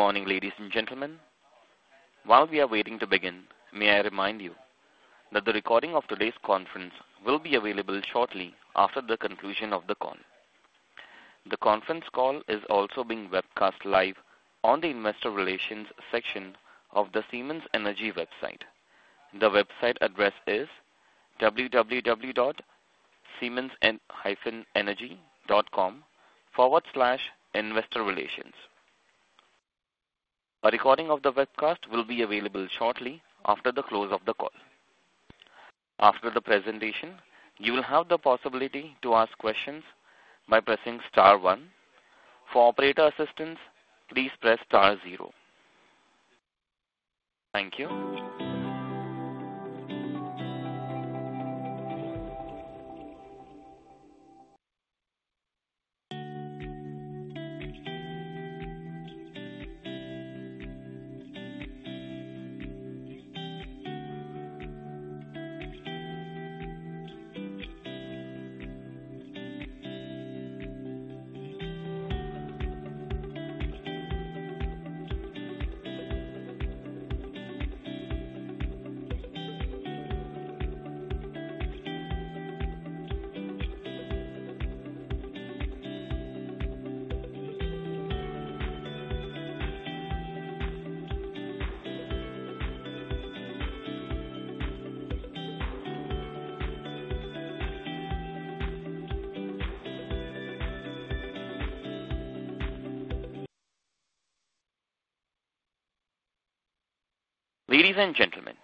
Good morning, ladies and gentlemen. While we are waiting to begin, may I remind you that the recording of today's conference will be available shortly after the conclusion of the call. The conference call is also being webcast live on the Investor Relations section of the Siemens Energy website. The website address is www.siemens-energy.com/investorrelations. A recording of the webcast will be available shortly after the close of the call. After the presentation, you will have the possibility to ask questions by pressing star 1. For operator assistance, please press star 0. Thank you. Ladies and gentlemen,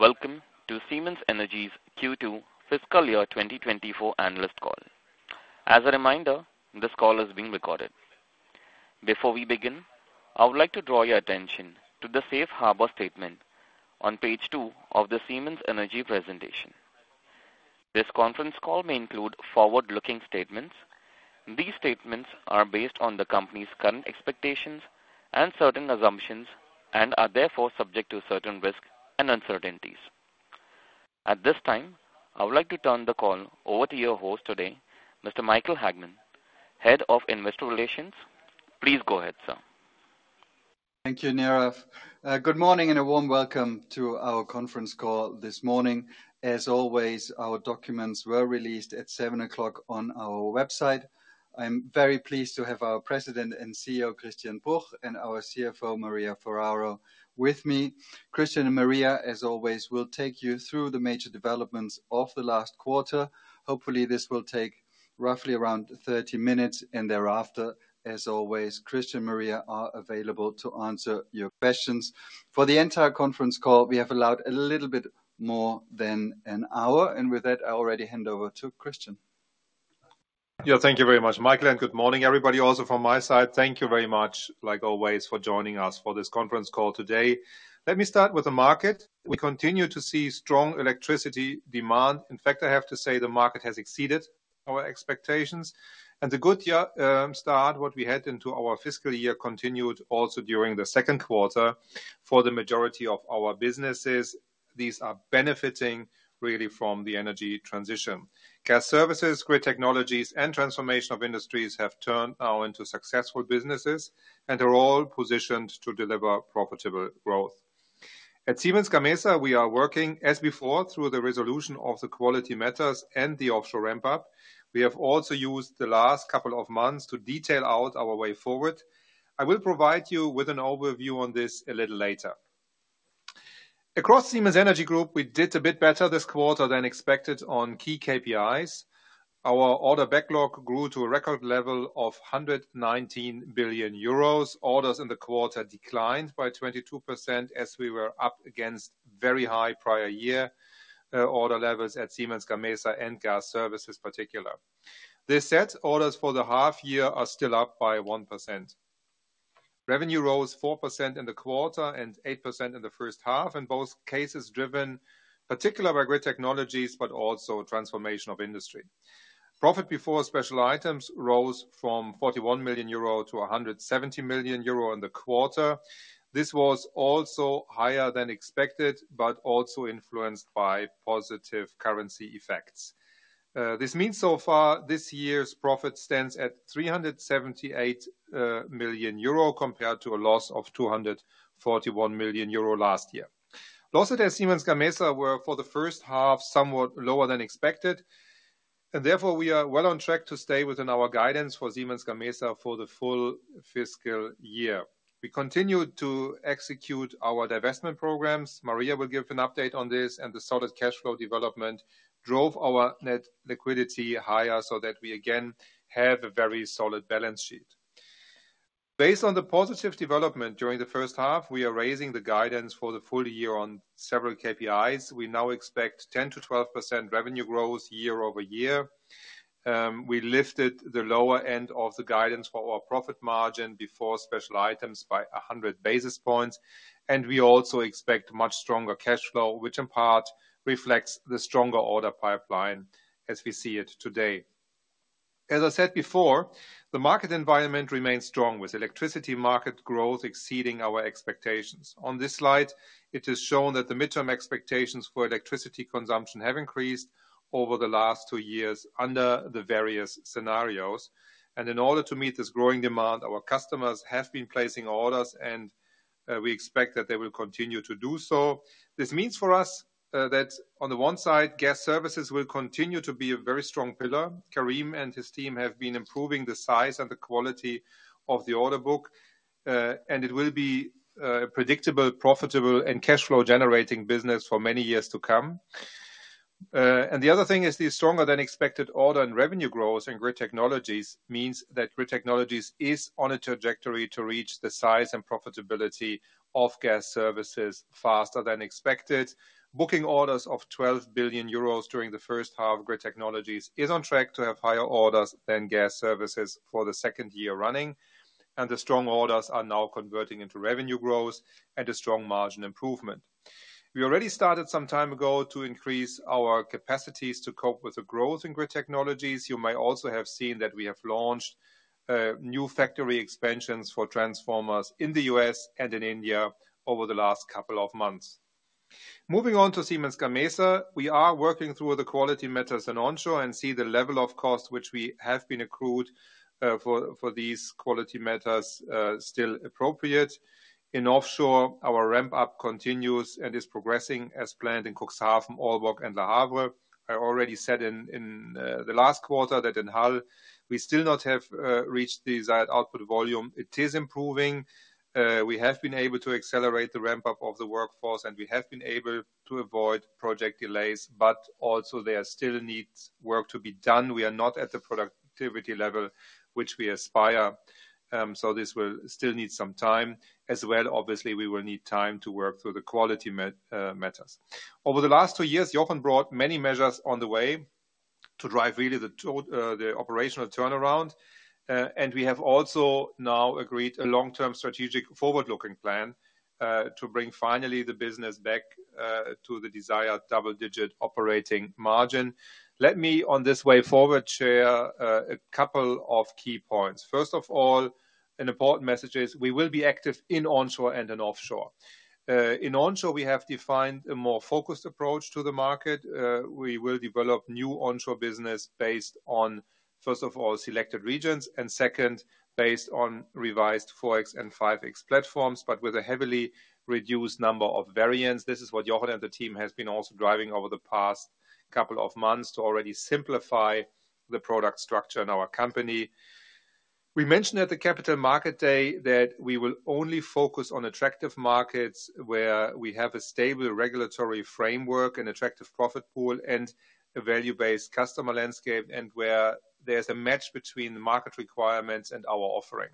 welcome to Siemens Energy's Q2 fiscal year 2024 analyst call. As a reminder, this call is being recorded. Before we begin, I would like to draw your attention to the Safe Harbor statement on page 2 of the Siemens Energy presentation. This conference call may include forward-looking statements. These statements are based on the company's current expectations and certain assumptions and are therefore subject to certain risk and uncertainties. At this time, I would like to turn the call over to your host today, Mr. Michael Hagmann, Head of Investor Relations. Please go ahead, sir. Thank you, Nirav. Good morning and a warm welcome to our conference call this morning. As always, our documents were released at 7:00 A.M. on our website. I'm very pleased to have our President and CEO, Christian Bruch, and our CFO, Maria Ferraro, with me. Christian and Maria, as always, will take you through the major developments of the last quarter. Hopefully, this will take roughly around 30 minutes. And thereafter, as always, Christian and Maria are available to answer your questions. For the entire conference call, we have allowed a little bit more than an hour. With that, I already hand over to Christian. Yeah, thank you very much, Michael. Good morning, everybody, also from my side. Thank you very much, like always, for joining us for this conference call today. Let me start with the market. We continue to see strong electricity demand. In fact, I have to say the market has exceeded our expectations. The good year start what we had into our fiscal year continued also during the second quarter. For the majority of our businesses, these are benefiting really from the energy transition. Gas Services, Grid Technologies, and Transformation of Industries have turned now into successful businesses and are all positioned to deliver profitable growth. At Siemens Gamesa, we are working as before through the resolution of the quality matters and the offshore ramp-up. We have also used the last couple of months to detail out our way forward. I will provide you with an overview on this a little later. Across Siemens Energy Group, we did a bit better this quarter than expected on key KPIs. Our order backlog grew to a record level of 119 billion euros. Orders in the quarter declined by 22% as we were up against very high prior-year order levels at Siemens Gamesa and Gas Services particular. This set, orders for the half-year are still up by 1%. Revenue rose 4% in the quarter and 8% in the first half, in both cases driven particularly by Grid Technologies but also Transformation of Industry. Profit before special items rose from 41 million euro to 170 million euro in the quarter. This was also higher than expected but also influenced by positive currency effects. This means so far this year's profit stands at 378 million euro compared to a loss of 241 million euro last year. Losses at Siemens Gamesa were for the first half somewhat lower than expected. Therefore, we are well on track to stay within our guidance for Siemens Gamesa for the full fiscal year. We continue to execute our divestment programs. Maria will give an update on this. The solid cash flow development drove our net liquidity higher so that we again have a very solid balance sheet. Based on the positive development during the first half, we are raising the guidance for the full year on several KPIs. We now expect 10%-12% revenue growth year-over-year. We lifted the lower end of the guidance for our profit margin before special items by 100 basis points. We also expect much stronger cash flow, which in part reflects the stronger order pipeline as we see it today. As I said before, the market environment remains strong with electricity market growth exceeding our expectations. On this slide, it is shown that the midterm expectations for electricity consumption have increased over the last 2 years under the various scenarios. In order to meet this growing demand, our customers have been placing orders and, we expect that they will continue to do so. This means for us, that on the one side, Gas Services will continue to be a very strong pillar. Karim and his team have been improving the size and the quality of the order book, and it will be a predictable, profitable, and cash flow generating business for many years to come. The other thing is the stronger than expected order and revenue growth in Grid Technologies means that Grid Technologies is on a trajectory to reach the size and profitability of Gas Services faster than expected. Booking orders of 12 billion euros during the first half, Grid Technologies is on track to have higher orders than Gas Services for the second year running. The strong orders are now converting into revenue growth and a strong margin improvement. We already started some time ago to increase our capacities to cope with the growth in Grid Technologies. You may also have seen that we have launched new factory expansions for transformers in the U.S. and in India over the last couple of months. Moving on to Siemens Gamesa, we are working through the quality matters on onshore and see the level of cost which we have been accrued for these quality matters still appropriate. In offshore, our ramp-up continues and is progressing as planned in Cuxhaven, Aalborg, and La Havre. I already said in the last quarter that in Hull we still not have reached the desired output volume. It is improving. We have been able to accelerate the ramp-up of the workforce and we have been able to avoid project delays, but also there still needs work to be done. We are not at the productivity level which we aspire. So this will still need some time. As well, obviously, we will need time to work through the quality matters. Over the last two years, Jochen brought many measures on the way to drive really the total operational turnaround. And we have also now agreed a long-term strategic forward-looking plan, to bring finally the business back, to the desired double-digit operating margin. Let me, on this way forward, share, a couple of key points. First of all, an important message is we will be active in onshore and in offshore. In onshore, we have defined a more focused approach to the market. We will develop new onshore business based on, first of all, selected regions and second, based on revised 4X and 5X platforms but with a heavily reduced number of variants. This is what Jochen and the team has been also driving over the past couple of months to already simplify the product structure in our company. We mentioned at the Capital Market Day that we will only focus on attractive markets where we have a stable regulatory framework, an attractive profit pool, and a value-based customer landscape and where there's a match between the market requirements and our offering.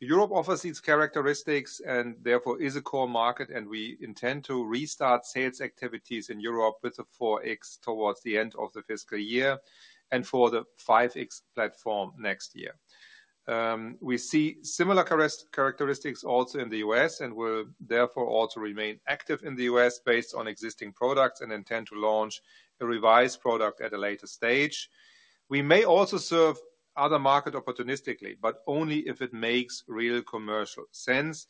Europe offers these characteristics and therefore is a core market, and we intend to restart sales activities in Europe with the 4X towards the end of the fiscal year and for the 5X platform next year. We see similar characteristics also in the U.S. and will therefore also remain active in the U.S. based on existing products and intend to launch a revised product at a later stage. We may also serve other markets opportunistically, but only if it makes real commercial sense.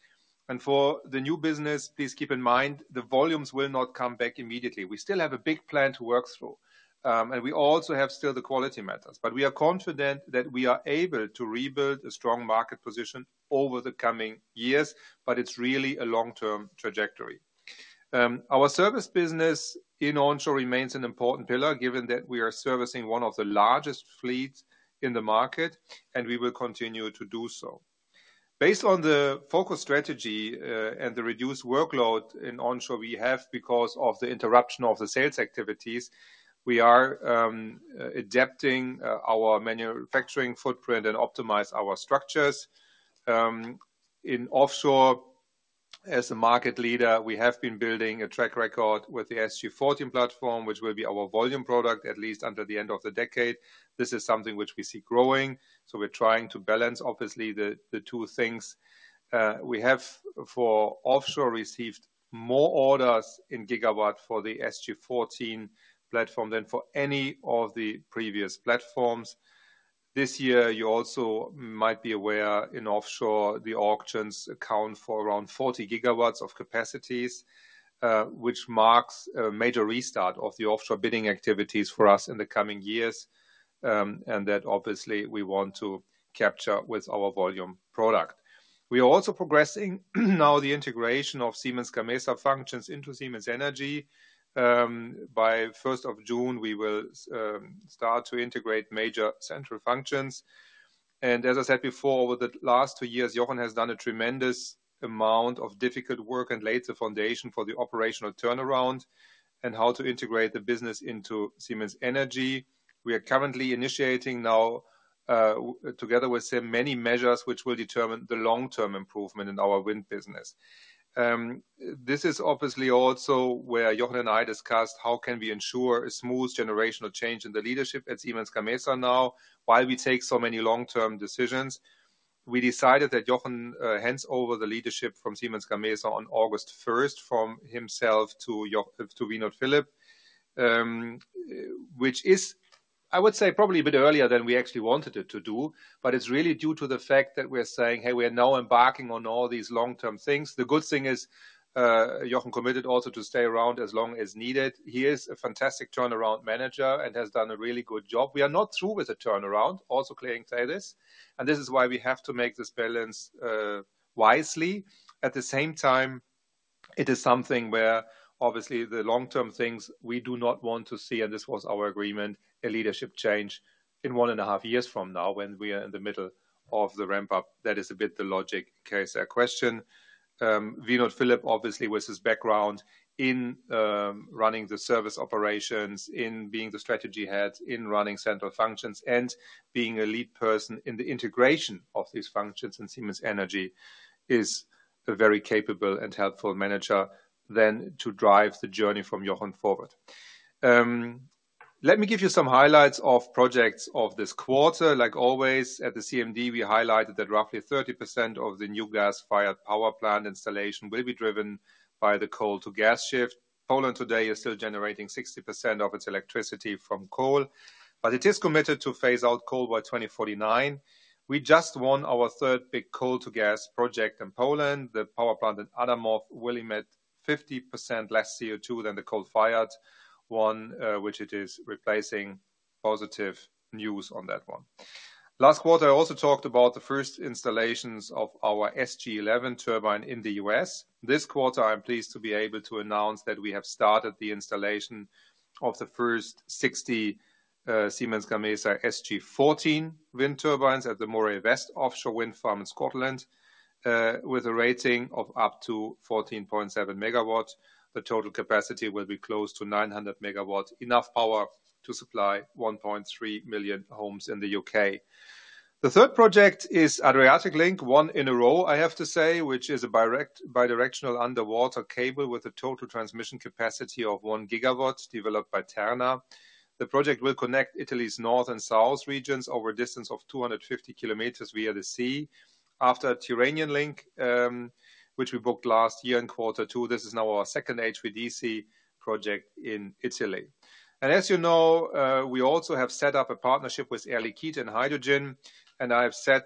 For the new business, please keep in mind the volumes will not come back immediately. We still have a big plan to work through, and we also have still the quality matters. But we are confident that we are able to rebuild a strong market position over the coming years, but it's really a long-term trajectory. Our service business in onshore remains an important pillar given that we are servicing one of the largest fleets in the market, and we will continue to do so. Based on the focus strategy, and the reduced workload in onshore we have because of the interruption of the sales activities, we are adapting our manufacturing footprint and optimize our structures. In offshore, as a market leader, we have been building a track record with the SG14 platform, which will be our volume product at least until the end of the decade. This is something which we see growing. So we're trying to balance, obviously, the two things. We have for offshore received more orders in gigawatts for the SG14 platform than for any of the previous platforms. This year, you also might be aware in offshore, the auctions account for around 40 gigawatts of capacities, which marks a major restart of the offshore bidding activities for us in the coming years, and that obviously we want to capture with our volume product. We are also progressing now the integration of Siemens Gamesa functions into Siemens Energy. By 1st of June, we will start to integrate major central functions. And as I said before, over the last two years, Jochen has done a tremendous amount of difficult work and laid the foundation for the operational turnaround and how to integrate the business into Siemens Energy. We are currently initiating now, together with him, many measures which will determine the long-term improvement in our wind business. This is obviously also where Jochen and I discussed how can we ensure a smooth generational change in the leadership at Siemens Gamesa now while we take so many long-term decisions. We decided that Jochen hands over the leadership of Siemens Gamesa on August 1st from himself to Vinod Philip, which is, I would say, probably a bit earlier than we actually wanted it to do, but it's really due to the fact that we are saying, "Hey, we are now embarking on all these long-term things." The good thing is, Jochen committed also to stay around as long as needed. He is a fantastic turnaround manager and has done a really good job. We are not through with the turnaround, also clearly say this. This is why we have to make this balance, wisely. At the same time, it is something where, obviously, the long-term things we do not want to see, and this was our agreement, a leadership change in one and a half years from now when we are in the middle of the ramp-up. That is a bit the logic in case of a question. Vinod Philip, obviously, with his background in, running the service operations, in being the strategy head, in running central functions, and being a lead person in the integration of these functions in Siemens Energy is a very capable and helpful manager then to drive the journey from Jochen forward. Let me give you some highlights of projects of this quarter. Like always, at the CMD, we highlighted that roughly 30% of the new gas-fired power plant installation will be driven by the coal-to-gas shift. Poland today is still generating 60% of its electricity from coal, but it is committed to phase out coal by 2049. We just won our third big coal-to-gas project in Poland. The power plant in Adamów will emit 50% less CO2 than the coal-fired one, which it is replacing. Positive news on that one. Last quarter, I also talked about the first installations of our SG11 turbine in the U.S. This quarter, I'm pleased to be able to announce that we have started the installation of the first 60 Siemens Gamesa SG14 wind turbines at the Moray West offshore wind farm in Scotland, with a rating of up to 14.7 MW. The total capacity will be close to 900 MW, enough power to supply 1.3 million homes in the U.K. The third project is Adriatic Link, one in a row, I have to say, which is a direct bidirectional underwater cable with a total transmission capacity of 1 GW developed by Terna. The project will connect Italy's north and south regions over a distance of 250 km via the sea. After a Tyrrhenian Link, which we booked last year in quarter two, this is now our second HVDC project in Italy. And as you know, we also have set up a partnership with Air Liquide and hydrogen, and I have said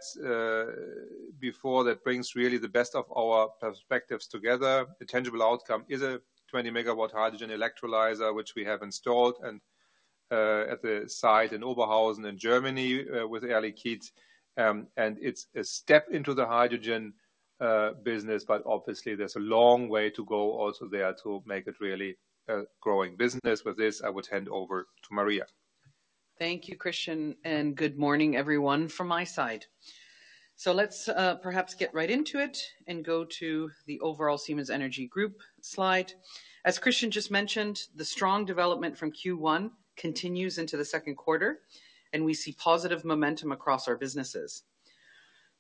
before that brings really the best of our perspectives together. The tangible outcome is a 20 MW hydrogen electrolyzer, which we have installed and at the site in Oberhausen in Germany with Air Liquide. And it's a step into the hydrogen business, but obviously, there's a long way to go also there to make it really a growing business. With this, I would hand over to Maria. Thank you, Christian, and good morning, everyone, from my side. So let's, perhaps get right into it and go to the overall Siemens Energy Group slide. As Christian just mentioned, the strong development from Q1 continues into the second quarter, and we see positive momentum across our businesses.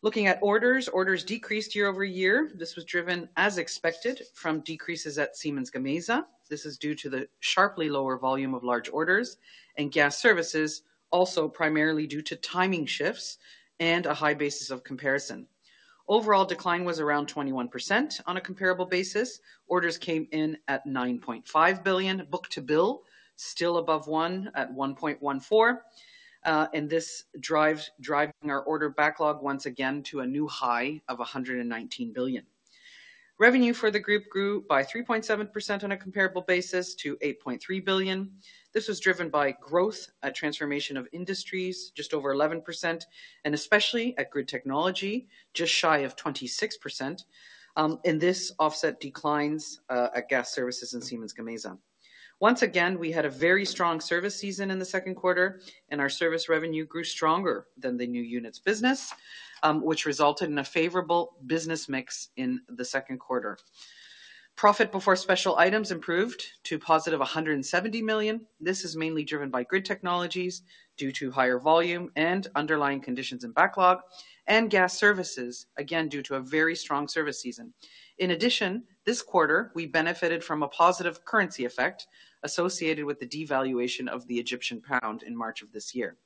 Looking at orders, orders decreased year-over-year. This was driven, as expected, from decreases at Siemens Gamesa. This is due to the sharply lower volume of large orders and Gas Services, also primarily due to timing shifts and a high basis of comparison. Overall decline was around 21% on a comparable basis. Orders came in at 9.5 billion, book-to-bill still above one at 1.14, and this drives our order backlog once again to a new high of 119 billion. Revenue for the group grew by 3.7% on a comparable basis to 8.3 billion. This was driven by growth in Transformation of Industries just over 11%, and especially at Grid Technologies, just shy of 26%, and this offset declines at Gas Services and Siemens Gamesa. Once again, we had a very strong service season in the second quarter, and our service revenue grew stronger than the new unit's business, which resulted in a favorable business mix in the second quarter. Profit before special items improved to positive 170 million. This is mainly driven by Grid Technologies due to higher volume and underlying conditions in backlog and Gas Services, again, due to a very strong service season. In addition, this quarter, we benefited from a positive currency effect associated with the devaluation of the Egyptian pound in March of this year.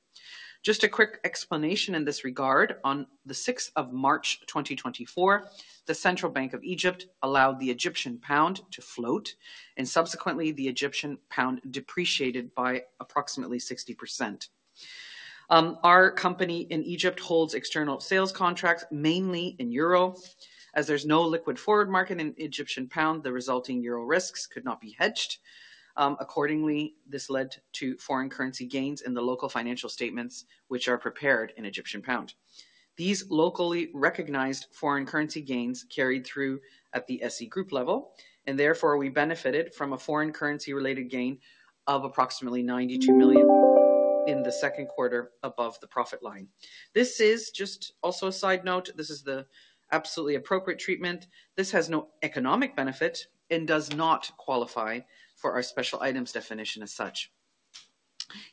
Just a quick explanation in this regard: on the 6th of March, 2024, the Central Bank of Egypt allowed the Egyptian pound to float, and subsequently, the Egyptian pound depreciated by approximately 60%. Our company in Egypt holds external sales contracts mainly in euro. As there's no liquid forward market in Egyptian pound, the resulting euro risks could not be hedged. Accordingly, this led to foreign currency gains in the local financial statements, which are prepared in Egyptian pound. These locally recognized foreign currency gains carried through at the SE Group level, and therefore, we benefited from a foreign currency-related gain of approximately 92 million in the second quarter above the profit line. This is just also a side note. This is the absolutely appropriate treatment. This has no economic benefit and does not qualify for our special items definition as such.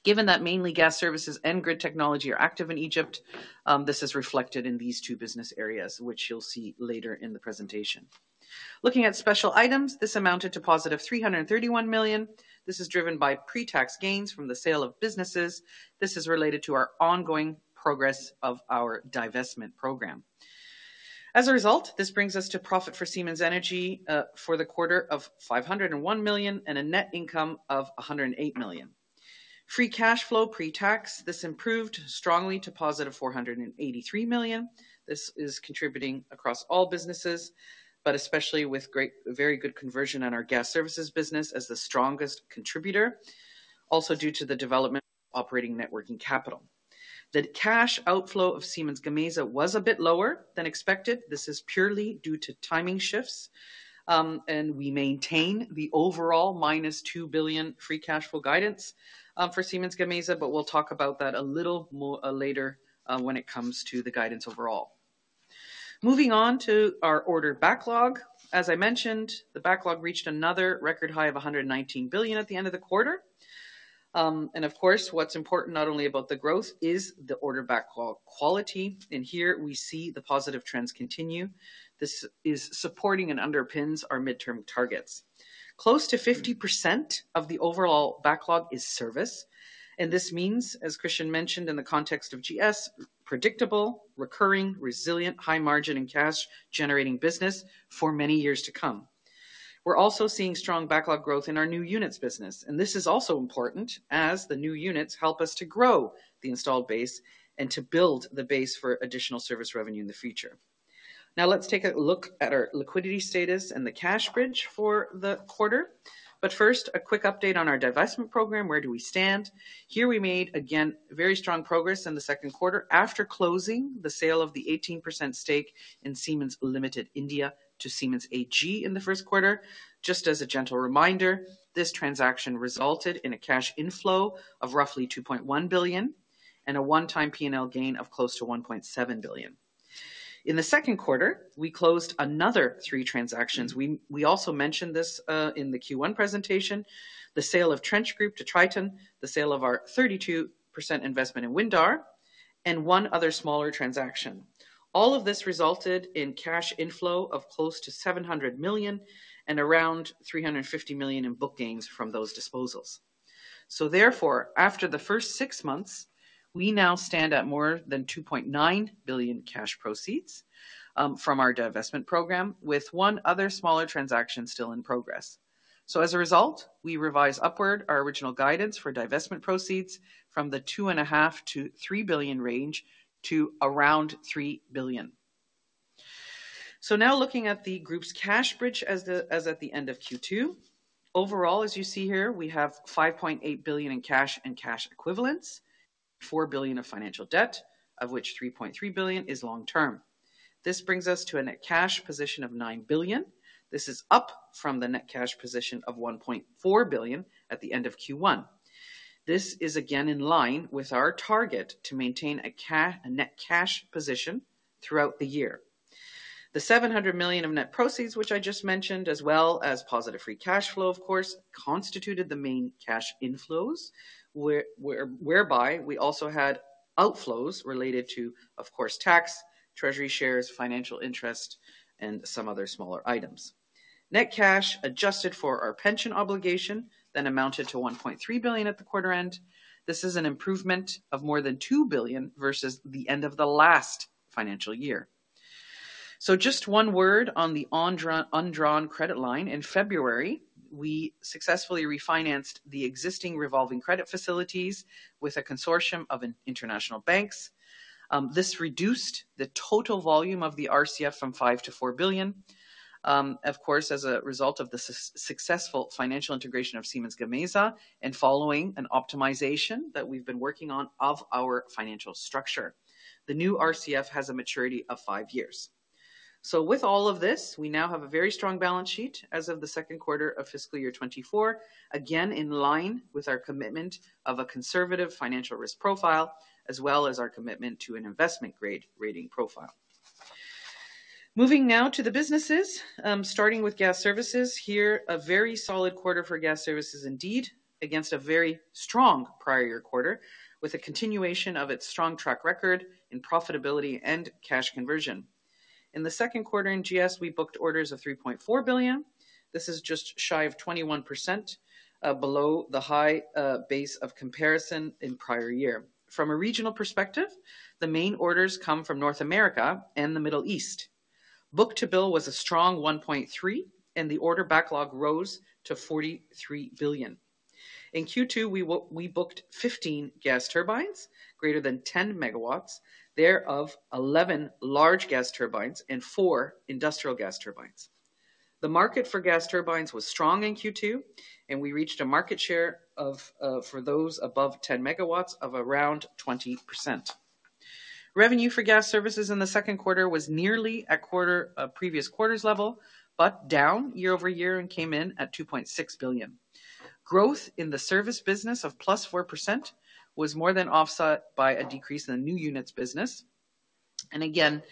Given that mainly Gas Services and Grid Technologies are active in Egypt, this is reflected in these two business areas, which you'll see later in the presentation. Looking at special items, this amounted to positive 331 million. This is driven by pre-tax gains from the sale of businesses. This is related to our ongoing progress of our divestment program. As a result, this brings us to profit for Siemens Energy, for the quarter of 501 million and a net income of 108 million. Free cash flow pre-tax, this improved strongly to positive 483 million. This is contributing across all businesses, but especially with great very good conversion on our Gas Services business as the strongest contributor, also due to the development of operating net working capital. The cash outflow of Siemens Gamesa was a bit lower than expected. This is purely due to timing shifts, and we maintain the overall -2 billion free cash flow guidance, for Siemens Gamesa, but we'll talk about that a little more later, when it comes to the guidance overall. Moving on to our order backlog. As I mentioned, the backlog reached another record high of 119 billion at the end of the quarter. And of course, what's important not only about the growth is the order backlog quality. And here, we see the positive trends continue. This is supporting and underpins our midterm targets. Close to 50% of the overall backlog is service. And this means, as Christian mentioned in the context of GS, predictable, recurring, resilient, high margin, and cash-generating business for many years to come. We're also seeing strong backlog growth in our new units business, and this is also important as the new units help us to grow the installed base and to build the base for additional service revenue in the future. Now, let's take a look at our liquidity status and the cash bridge for the quarter. But first, a quick update on our divestment program. Where do we stand? Here, we made, again, very strong progress in the second quarter after closing the sale of the 18% stake in Siemens Limited India to Siemens AG in the first quarter. Just as a gentle reminder, this transaction resulted in a cash inflow of roughly 2.1 billion and a one-time P&L gain of close to 1.7 billion. In the second quarter, we closed another three transactions. We also mentioned this, in the Q1 presentation, the sale of Trench Group to Triton, the sale of our 32% investment in Windar, and one other smaller transaction. All of this resulted in cash inflow of close to 700 million and around 350 million in book gains from those disposals. So therefore, after the first six months, we now stand at more than 2.9 billion cash proceeds, from our divestment program with one other smaller transaction still in progress. So as a result, we revise upward our original guidance for divestment proceeds from the 2.5 billion-3 billion range to around 3 billion. So now looking at the group's cash bridge as at the end of Q2 overall, as you see here, we have 5.8 billion in cash and cash equivalents, 4 billion of financial debt, of which 3.3 billion is long term. This brings us to a net cash position of 9 billion. This is up from the net cash position of 1.4 billion at the end of Q1. This is again in line with our target to maintain a net cash position throughout the year. The 700 million of net proceeds, which I just mentioned, as well as positive free cash flow, of course, constituted the main cash inflows whereby we also had outflows related to, of course, tax, treasury shares, financial interest, and some other smaller items. Net cash adjusted for our pension obligation then amounted to 1.3 billion at the quarter end. This is an improvement of more than 2 billion versus the end of the last financial year. So just one word on the undrawn credit line. In February, we successfully refinanced the existing revolving credit facilities with a consortium of international banks. This reduced the total volume of the RCF from 5 billion to 4 billion. Of course, as a result of the successful financial integration of Siemens Gamesa and following an optimization that we've been working on of our financial structure, the new RCF has a maturity of five years. So with all of this, we now have a very strong balance sheet as of the second quarter of fiscal year 2024, again in line with our commitment of a conservative financial risk profile as well as our commitment to an investment-grade rating profile. Moving now to the businesses, starting with Gas Services here, a very solid quarter for Gas Services indeed against a very strong prior year quarter with a continuation of its strong track record in profitability and cash conversion. In the second quarter in GS, we booked orders of 3.4 billion. This is just shy of 21%, below the high base of comparison in prior year. From a regional perspective, the main orders come from North America and the Middle East. Book-to-bill was a strong 1.3, and the order backlog rose to 43 billion. In Q2, we booked 15 gas turbines, greater than 10 MW, thereof 11 large gas turbines and 4 industrial gas turbines. The market for gas turbines was strong in Q2, and we reached a market share of, for those above 10 MW, of around 20%. Revenue for Gas Services in the second quarter was nearly at quarter previous quarter's level but down year-over-year and came in at 2.6 billion. Growth in the service business of +4% was more than offset by a decrease in the new units business. And again,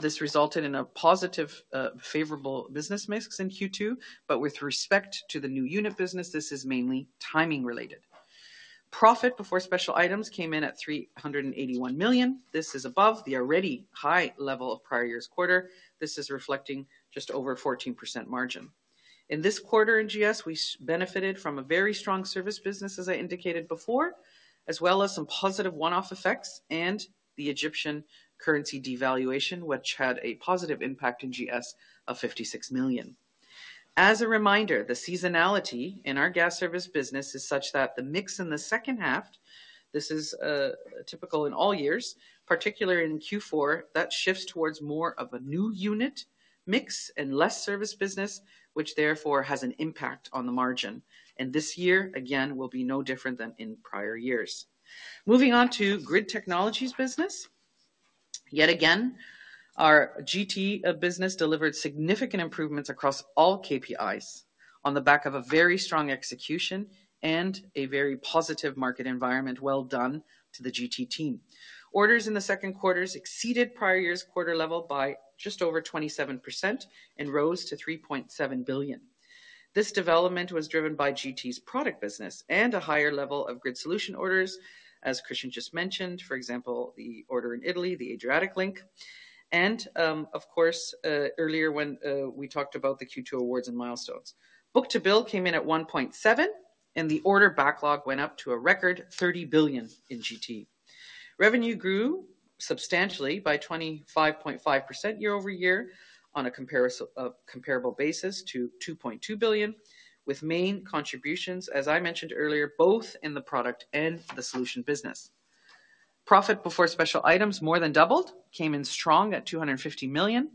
this resulted in a positive, favorable business mix in Q2, but with respect to the new unit business, this is mainly timing-related. Profit before special items came in at 381 million. This is above the already high level of prior year's quarter. This is reflecting just over a 14% margin. In this quarter in GS, we benefited from a very strong service business, as I indicated before, as well as some positive one-off effects and the Egyptian currency devaluation, which had a positive impact in GS of 56 million. As a reminder, the seasonality in our Gas Service business is such that the mix in the second half this is, typical in all years, particularly in Q4, that shifts towards more of a new unit mix and less service business, which therefore has an impact on the margin. This year, again, will be no different than in prior years. Moving on to Grid Technologies business, yet again, our GT business delivered significant improvements across all KPIs on the back of a very strong execution and a very positive market environment. Well done to the GT team. Orders in the second quarter exceeded prior year's quarter level by just over 27% and rose to 3.7 billion. This development was driven by GT's product business and a higher level of grid solution orders, as Christian just mentioned, for example, the order in Italy, the Adriatic Link. And, of course, earlier when we talked about the Q2 awards and milestones, book-to-bill came in at 1.7, and the order backlog went up to a record 30 billion in GT. Revenue grew substantially by 25.5% year-over-year on a comparison comparable basis to 2.2 billion, with main contributions, as I mentioned earlier, both in the product and the solution business. Profit before special items more than doubled, came in strong at 250 million.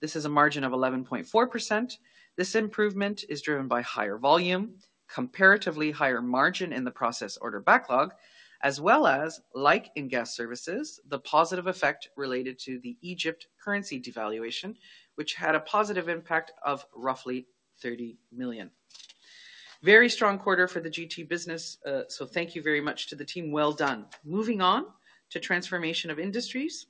This is a margin of 11.4%. This improvement is driven by higher volume, comparatively higher margin in the process order backlog, as well as, like in Gas Services, the positive effect related to the Egypt currency devaluation, which had a positive impact of roughly 30 million. Very strong quarter for the GT business, so thank you very much to the team. Well done. Moving on to Transformation of Industries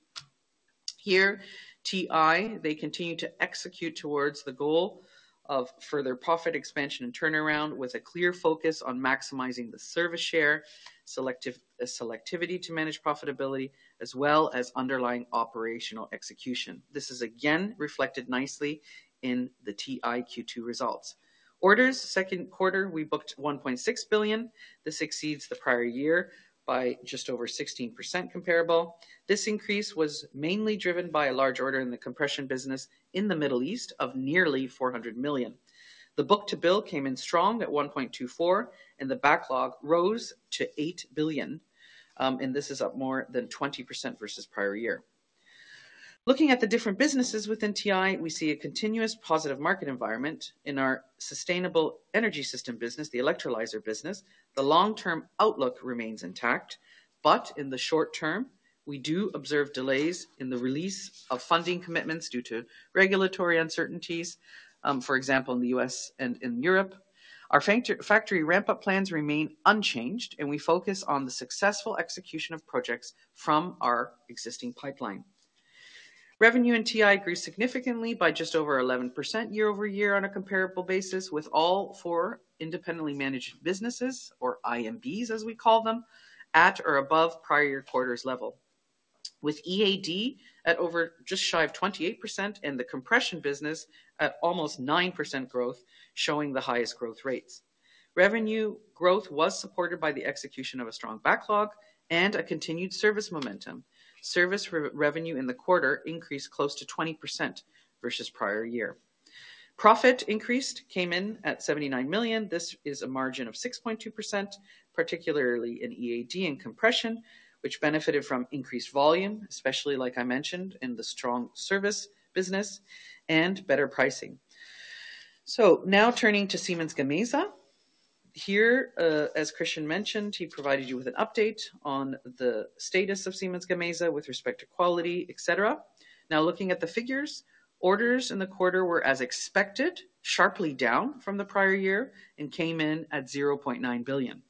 here, TI, they continue to execute towards the goal of further profit expansion and turnaround with a clear focus on maximizing the service share, selective selectivity to manage profitability, as well as underlying operational execution. This is again reflected nicely in the TI Q2 results. Orders second quarter, we booked 1.6 billion. This exceeds the prior year by just over 16% comparable. This increase was mainly driven by a large order in the compression business in the Middle East of nearly 400 million. The book-to-bill came in strong at 1.24, and the backlog rose to 8 billion, and this is up more than 20% versus prior year. Looking at the different businesses within TI, we see a continuous positive market environment. In our sustainable energy system business, the electrolyzer business, the long-term outlook remains intact, but in the short term, we do observe delays in the release of funding commitments due to regulatory uncertainties, for example, in the U.S. and in Europe. Our factory ramp-up plans remain unchanged, and we focus on the successful execution of projects from our existing pipeline. Revenue in TI grew significantly by just over 11% year-over-year on a comparable basis, with all four independently managed businesses, or IMBs, as we call them, at or above prior year quarter's level, with EAD at over just shy of 28% and the compression business at almost 9% growth, showing the highest growth rates. Revenue growth was supported by the execution of a strong backlog and a continued service momentum. Service revenue in the quarter increased close to 20% versus prior year. Profit increased came in at 79 million. This is a margin of 6.2%, particularly in EAD and compression, which benefited from increased volume, especially, like I mentioned, in the strong service business and better pricing. So now turning to Siemens Gamesa here, as Christian mentioned, he provided you with an update on the status of Siemens Gamesa with respect to quality, et cetera. Now, looking at the figures, orders in the quarter were as expected, sharply down from the prior year and came in at 0.9 billion.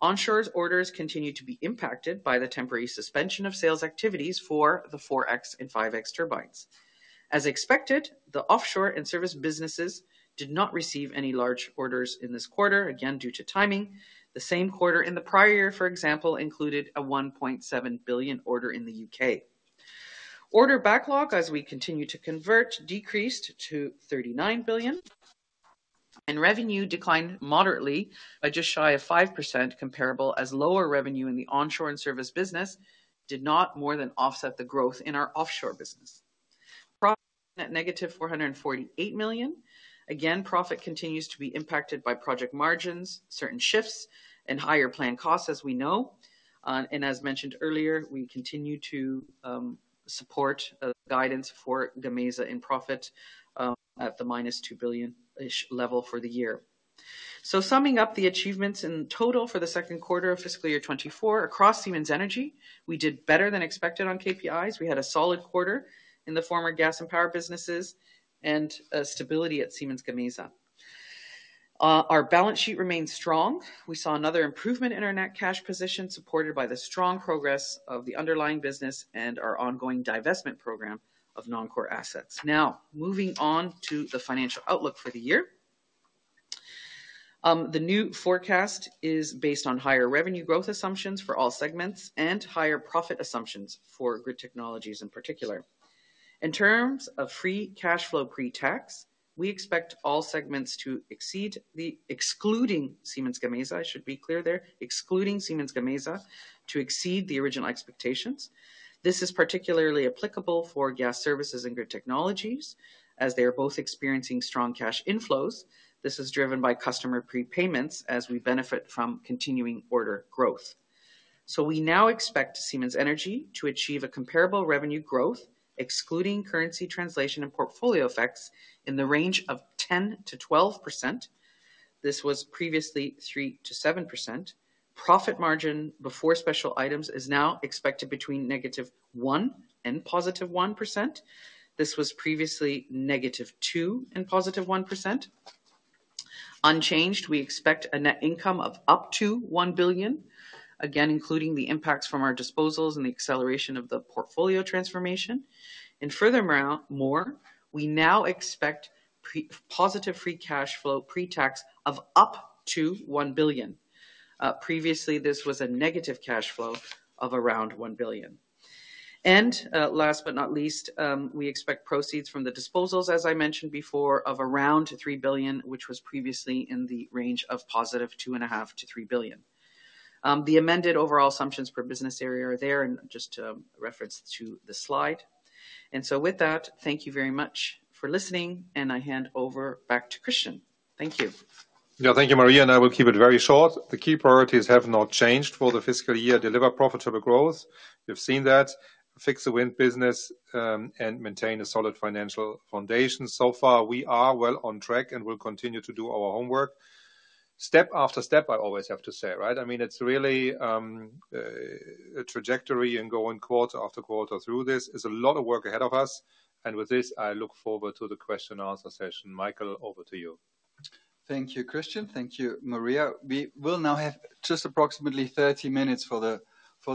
Onshore's orders continue to be impacted by the temporary suspension of sales activities for the 4X and 5X turbines. As expected, the offshore and service businesses did not receive any large orders in this quarter, again, due to timing. The same quarter in the prior year, for example, included a 1.7 billion order in the UK. Order backlog, as we continue to convert, decreased to 39 billion, and revenue declined moderately by just shy of 5% comparable, as lower revenue in the onshore and service business did not more than offset the growth in our offshore business. Profit at -448 million. Again, profit continues to be impacted by project margins, certain shifts, and higher plan costs, as we know. As mentioned earlier, we continue to support guidance for Gamesa in profit at the -2 billion-ish level for the year. Summing up the achievements in total for the second quarter of fiscal year 2024 across Siemens Energy, we did better than expected on KPIs. We had a solid quarter in the former gas and power businesses and stability at Siemens Gamesa. Our balance sheet remains strong. We saw another improvement in our net cash position supported by the strong progress of the underlying business and our ongoing divestment program of non-core assets. Now, moving on to the financial outlook for the year, the new forecast is based on higher revenue growth assumptions for all segments and higher profit assumptions for Grid Technologies in particular. In terms of free cash flow pre-tax, we expect all segments to exceed the excluding Siemens Gamesa. I should be clear there, excluding Siemens Gamesa to exceed the original expectations. This is particularly applicable for Gas Services and Grid Technologies, as they are both experiencing strong cash inflows. This is driven by customer prepayments as we benefit from continuing order growth. We now expect Siemens Energy to achieve a comparable revenue growth, excluding currency translation and portfolio effects, in the range of 10%-12%. This was previously 3%-7%. Profit margin before special items is now expected between -1% and +1%. This was previously -2% and +1%. Unchanged, we expect a net income of up to 1 billion, again, including the impacts from our disposals and the acceleration of the portfolio transformation. Furthermore, we now expect positive free cash flow pre-tax of up to 1 billion. Previously, this was a negative cash flow of around 1 billion. And, last but not least, we expect proceeds from the disposals, as I mentioned before, of around 3 billion, which was previously in the range of positive 2.5 billion-3 billion. The amended overall assumptions per business area are there and just reference to the slide. And so with that, thank you very much for listening, and I hand over back to Christian. Thank you. Yeah, thank you, Maria. And I will keep it very short. The key priorities have not changed for the fiscal year. Deliver profitable growth. We've seen that. Fix the wind business, and maintain a solid financial foundation. So far, we are well on track and will continue to do our homework step after step, I always have to say, right? I mean, it's really a trajectory and going quarter after quarter through this. There's a lot of work ahead of us. And with this, I look forward to the question-and-answer session. Michael, over to you. Thank you, Christian. Thank you, Maria. We will now have just approximately 30 minutes for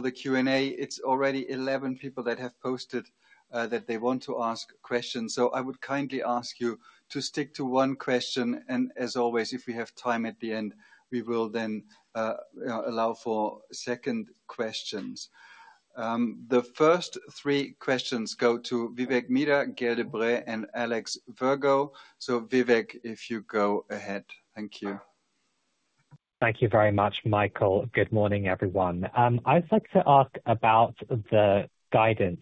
the Q&A. It's already 11 people that have posted, that they want to ask questions. So I would kindly ask you to stick to one question. And as always, if we have time at the end, we will then, you know, allow for second questions. The first three questions go to, Gael de-Bray, and Alexander Jones. So Vivek, if you go ahead. Thank you. Thank you very much, Michael. Good morning, everyone. I'd like to ask about the guidance.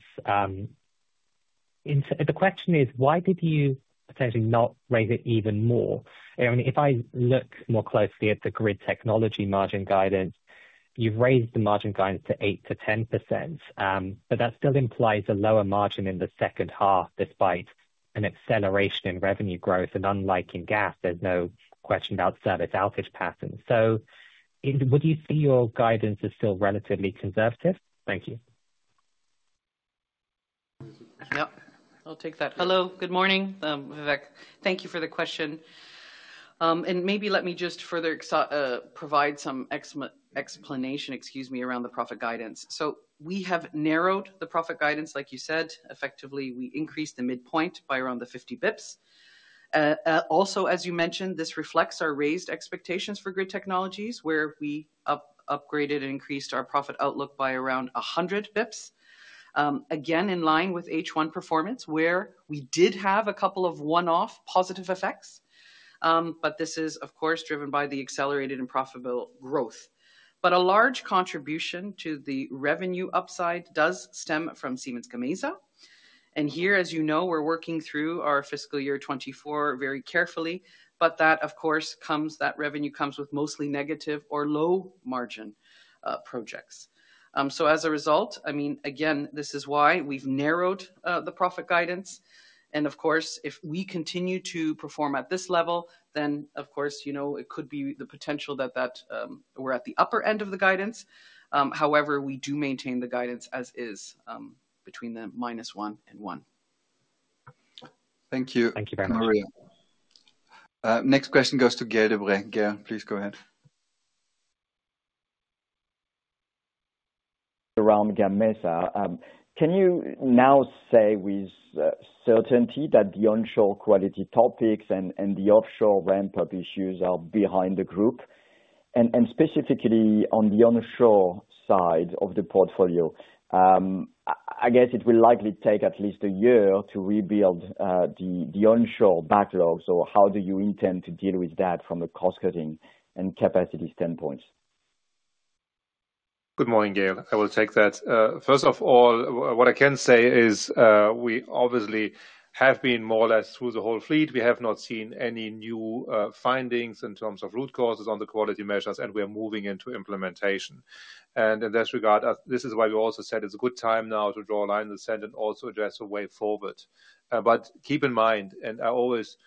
The question is, why did you potentially not raise it even more? I mean, if I look more closely at the Grid Technology margin guidance, you've raised the margin guidance to 8%-10%. But that still implies a lower margin in the second half despite an acceleration in revenue growth and unlike in gas, there's no question about service outage patterns. So would you see your guidance as still relatively conservative? Thank you. Yep. I'll take that. Hello. Good morning, Vivek. Thank you for the question. And maybe let me just further provide some explanation, excuse me, around the profit guidance. So we have narrowed the profit guidance, like you said. Effectively, we increased the midpoint by around 50 basis points. Also, as you mentioned, this reflects our raised expectations for Grid Technologies, where we upgraded and increased our profit outlook by around 100 basis points. Again, in line with H1 performance, where we did have a couple of one-off positive effects. But this is, of course, driven by the accelerated and profitable growth. But a large contribution to the revenue upside does stem from Siemens Gamesa. And here, as you know, we're working through our fiscal year 2024 very carefully, but that, of course, revenue comes with mostly negative or low margin projects. So as a result, I mean, again, this is why we've narrowed the profit guidance. And of course, if we continue to perform at this level, then, of course, you know, it could be the potential that that we're at the upper end of the guidance. However, we do maintain the guidance as is, between -1 and 1. Thank you. Thank you very much. Maria, next question goes to Gerde Bré. Gerre, please go ahead. Around Gamesa, can you now say with certainty that the onshore quality topics and the offshore ramp-up issues are behind the group, and specifically on the onshore side of the portfolio? I guess it will likely take at least a year to rebuild the onshore backlog. So how do you intend to deal with that from a cost-cutting and capacity standpoint? Good morning, Gerre. I will take that. First of all, what I can say is, we obviously have been more or less through the whole fleet. We have not seen any new findings in terms of root causes on the quality measures, and we are moving into implementation. And in this regard, this is why we also said it's a good time now to draw a line in the sand and also address a way forward. But keep in mind, and I always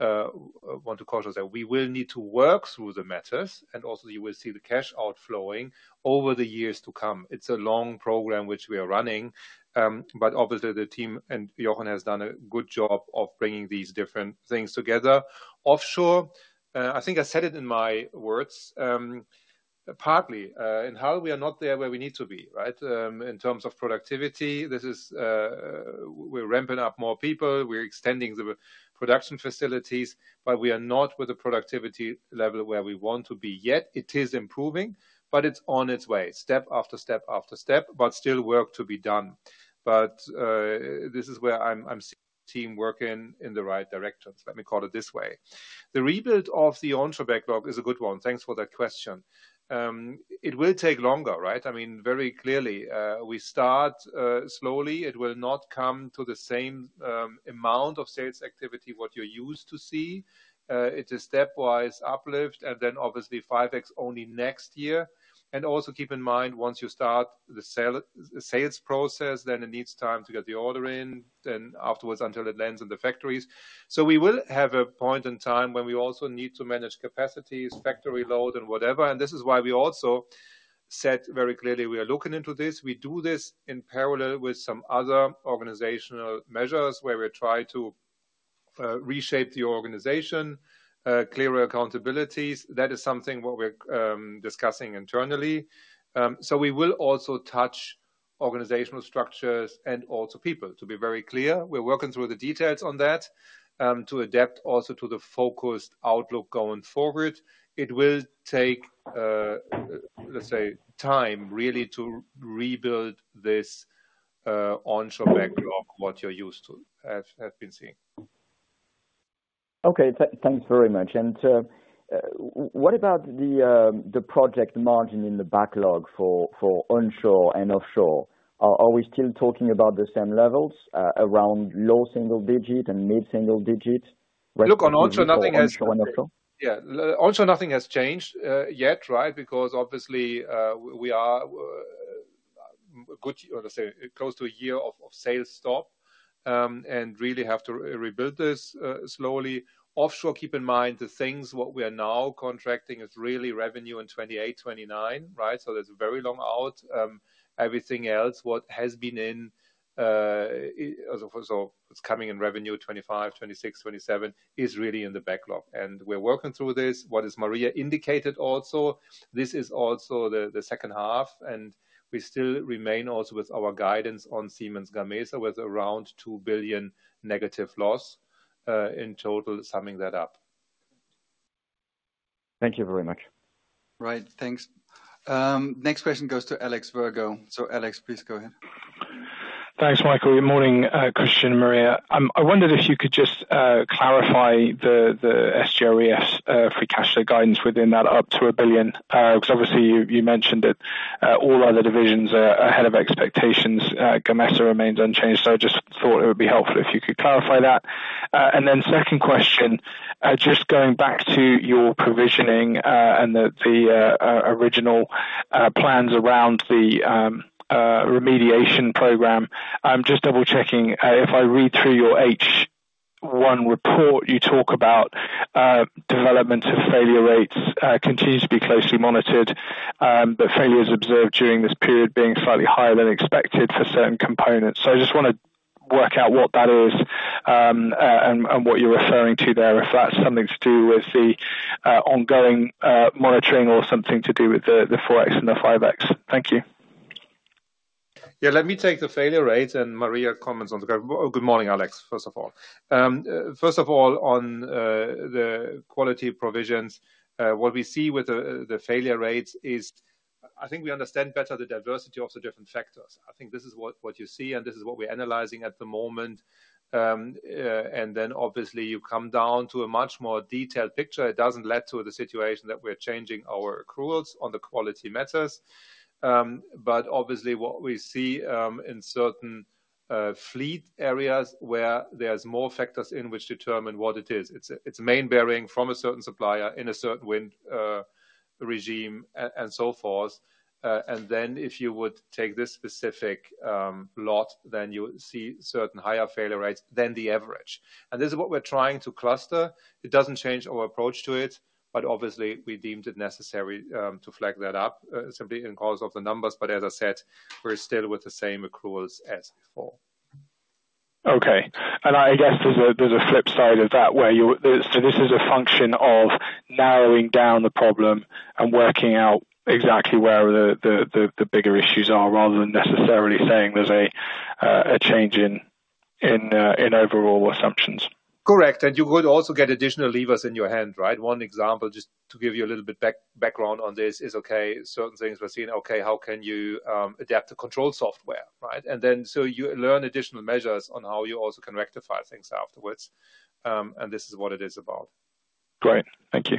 want to caution us that we will need to work through the matters, and also you will see the cash outflowing over the years to come. It's a long program which we are running. But obviously, the team and Jochen has done a good job of bringing these different things together. Offshore, I think I said it in my words, partly, in how we are not there where we need to be, right? In terms of productivity, this is, we're ramping up more people. We're extending the production facilities, but we are not with a productivity level where we want to be yet. It is improving, but it's on its way, step after step after step, but still work to be done. But, this is where I'm seeing the team work in the right directions. Let me call it this way. The rebuild of the onshore backlog is a good one. Thanks for that question. It will take longer, right? I mean, very clearly, we start slowly. It will not come to the same amount of sales activity what you're used to see. It is stepwise uplift and then obviously 5X only next year. Also keep in mind, once you start the sales process, then it needs time to get the order in, then afterwards until it lands in the factories. We will have a point in time when we also need to manage capacities, factory load, and whatever. This is why we also said very clearly we are looking into this. We do this in parallel with some other organizational measures where we try to reshape the organization, clearer accountabilities. That is something what we're discussing internally. So we will also touch organizational structures and also people. To be very clear, we're working through the details on that, to adapt also to the focused outlook going forward. It will take, let's say, time really to rebuild this onshore backlog what you're used to have been seeing. Okay. Thanks very much. And, what about the project margin in the backlog for onshore and offshore? Are we still talking about the same levels, around low single digit and mid single digit, right? Look, on onshore, nothing has changed yet, right? Because obviously, we are good or let's say close to a year of sales stop, and really have to rebuild this slowly. Offshore, keep in mind the things what we are now contracting is really revenue in 2028, 2029, right? So that's very long out. Everything else what has been in also so it's coming in revenue 2025, 2026, 2027 is really in the backlog. And we're working through this. What Maria indicated also, this is also the second half, and we still remain also with our guidance on Siemens Gamesa with around 2 billion negative loss, in total, summing that up. Thank you very much. Right. Thanks. Next question goes to Alex Virgo. So Alex, please go ahead. Thanks, Michael. Good morning, Christian and Maria. I wondered if you could just clarify the SGRE's free cash flow guidance within that up to 1 billion, because obviously you mentioned it, all other divisions are ahead of expectations. Gamesa remains unchanged. So I just thought it would be helpful if you could clarify that. And then second question, just going back to your provisioning, and the original plans around the remediation program, I'm just double-checking, if I read through your H1 report, you talk about development of failure rates continues to be closely monitored, but failures observed during this period being slightly higher than expected for certain components. So I just want to work out what that is, and what you're referring to there, if that's something to do with the ongoing monitoring or something to do with the 4X and the 5X. Thank you. Yeah. Let me take the failure rates and Maria comments on. Good morning, Alex, first of all. First of all, on the quality provisions, what we see with the failure rates is I think we understand better the diversity of the different factors. I think this is what you see, and this is what we're analyzing at the moment. Then obviously, you come down to a much more detailed picture. It doesn't lead to the situation that we're changing our accruals on the quality matters. But obviously, what we see in certain fleet areas where there's more factors in which determine what it is. It's a main bearing from a certain supplier in a certain wind regime and so forth. Then if you would take this specific lot, then you see certain higher failure rates than the average. This is what we're trying to cluster. It doesn't change our approach to it, but obviously, we deemed it necessary to flag that up, simply in case of the numbers. As I said, we're still with the same accruals as before. Okay. And I guess there's a flip side of that where this is a function of narrowing down the problem and working out exactly where the bigger issues are rather than necessarily saying there's a change in overall assumptions. Correct. You could also get additional levers in your hand, right? One example, just to give you a little bit background on this, is certain things we're seeing, how can you adapt the control software, right? And then so you learn additional measures on how you also can rectify things afterwards. This is what it is about. Great. Thank you.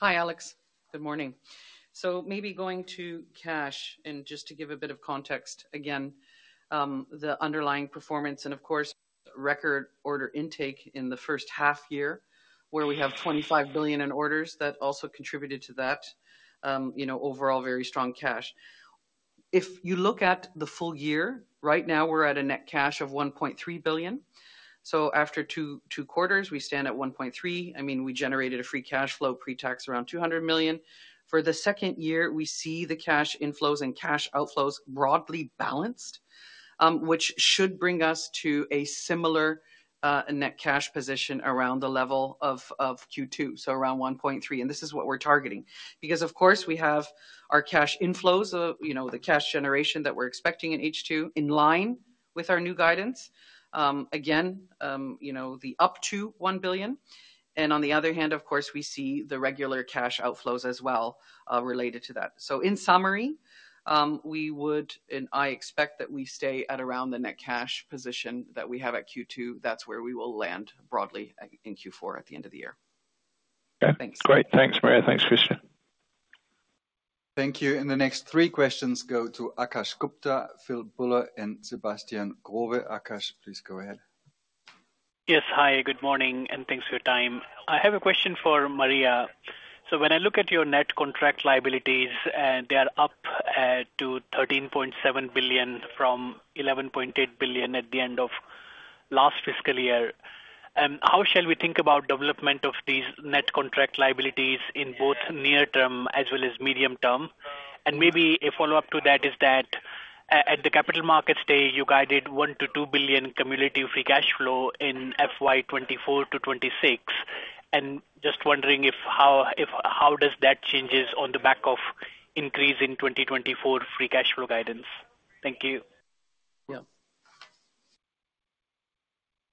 Hi, Alex. Good morning. So maybe going to cash and just to give a bit of context again, the underlying performance and, of course, record order intake in the first half year where we have 25 billion in orders that also contributed to that, you know, overall very strong cash. If you look at the full year, right now, we're at a net cash of 1.3 billion. So after two quarters, we stand at 1.3. I mean, we generated a free cash flow pre-tax around 200 million. For the second year, we see the cash inflows and cash outflows broadly balanced, which should bring us to a similar, net cash position around the level of Q2, so around 1.3. This is what we're targeting because, of course, we have our cash inflows, you know, the cash generation that we're expecting in H2 in line with our new guidance. Again, you know, the up to 1 billion. And on the other hand, of course, we see the regular cash outflows as well, related to that. So in summary, we would and I expect that we stay at around the net cash position that we have at Q2. That's where we will land broadly in Q4 at the end of the year. Okay. Thanks. Great. Thanks, Maria. Thanks, Christian. Thank you. And the next three questions go to Akash Gupta, Phil Buller, and Sebastian Growe. Akash, please go ahead. Yes. Hi. Good morning. Thanks for your time. I have a question for Maria. So when I look at your net contract liabilities, they are up to 13.7 billion from 11.8 billion at the end of last fiscal year. How shall we think about development of these net contract liabilities in both near-term as well as medium-term? And maybe a follow-up to that is that, at the Capital Market Day, you guided 1 billion-2 billion cumulative free cash flow in FY 2024 to 2026. And just wondering how does that changes on the back of increase in 2024 free cash flow guidance? Thank you. Yeah.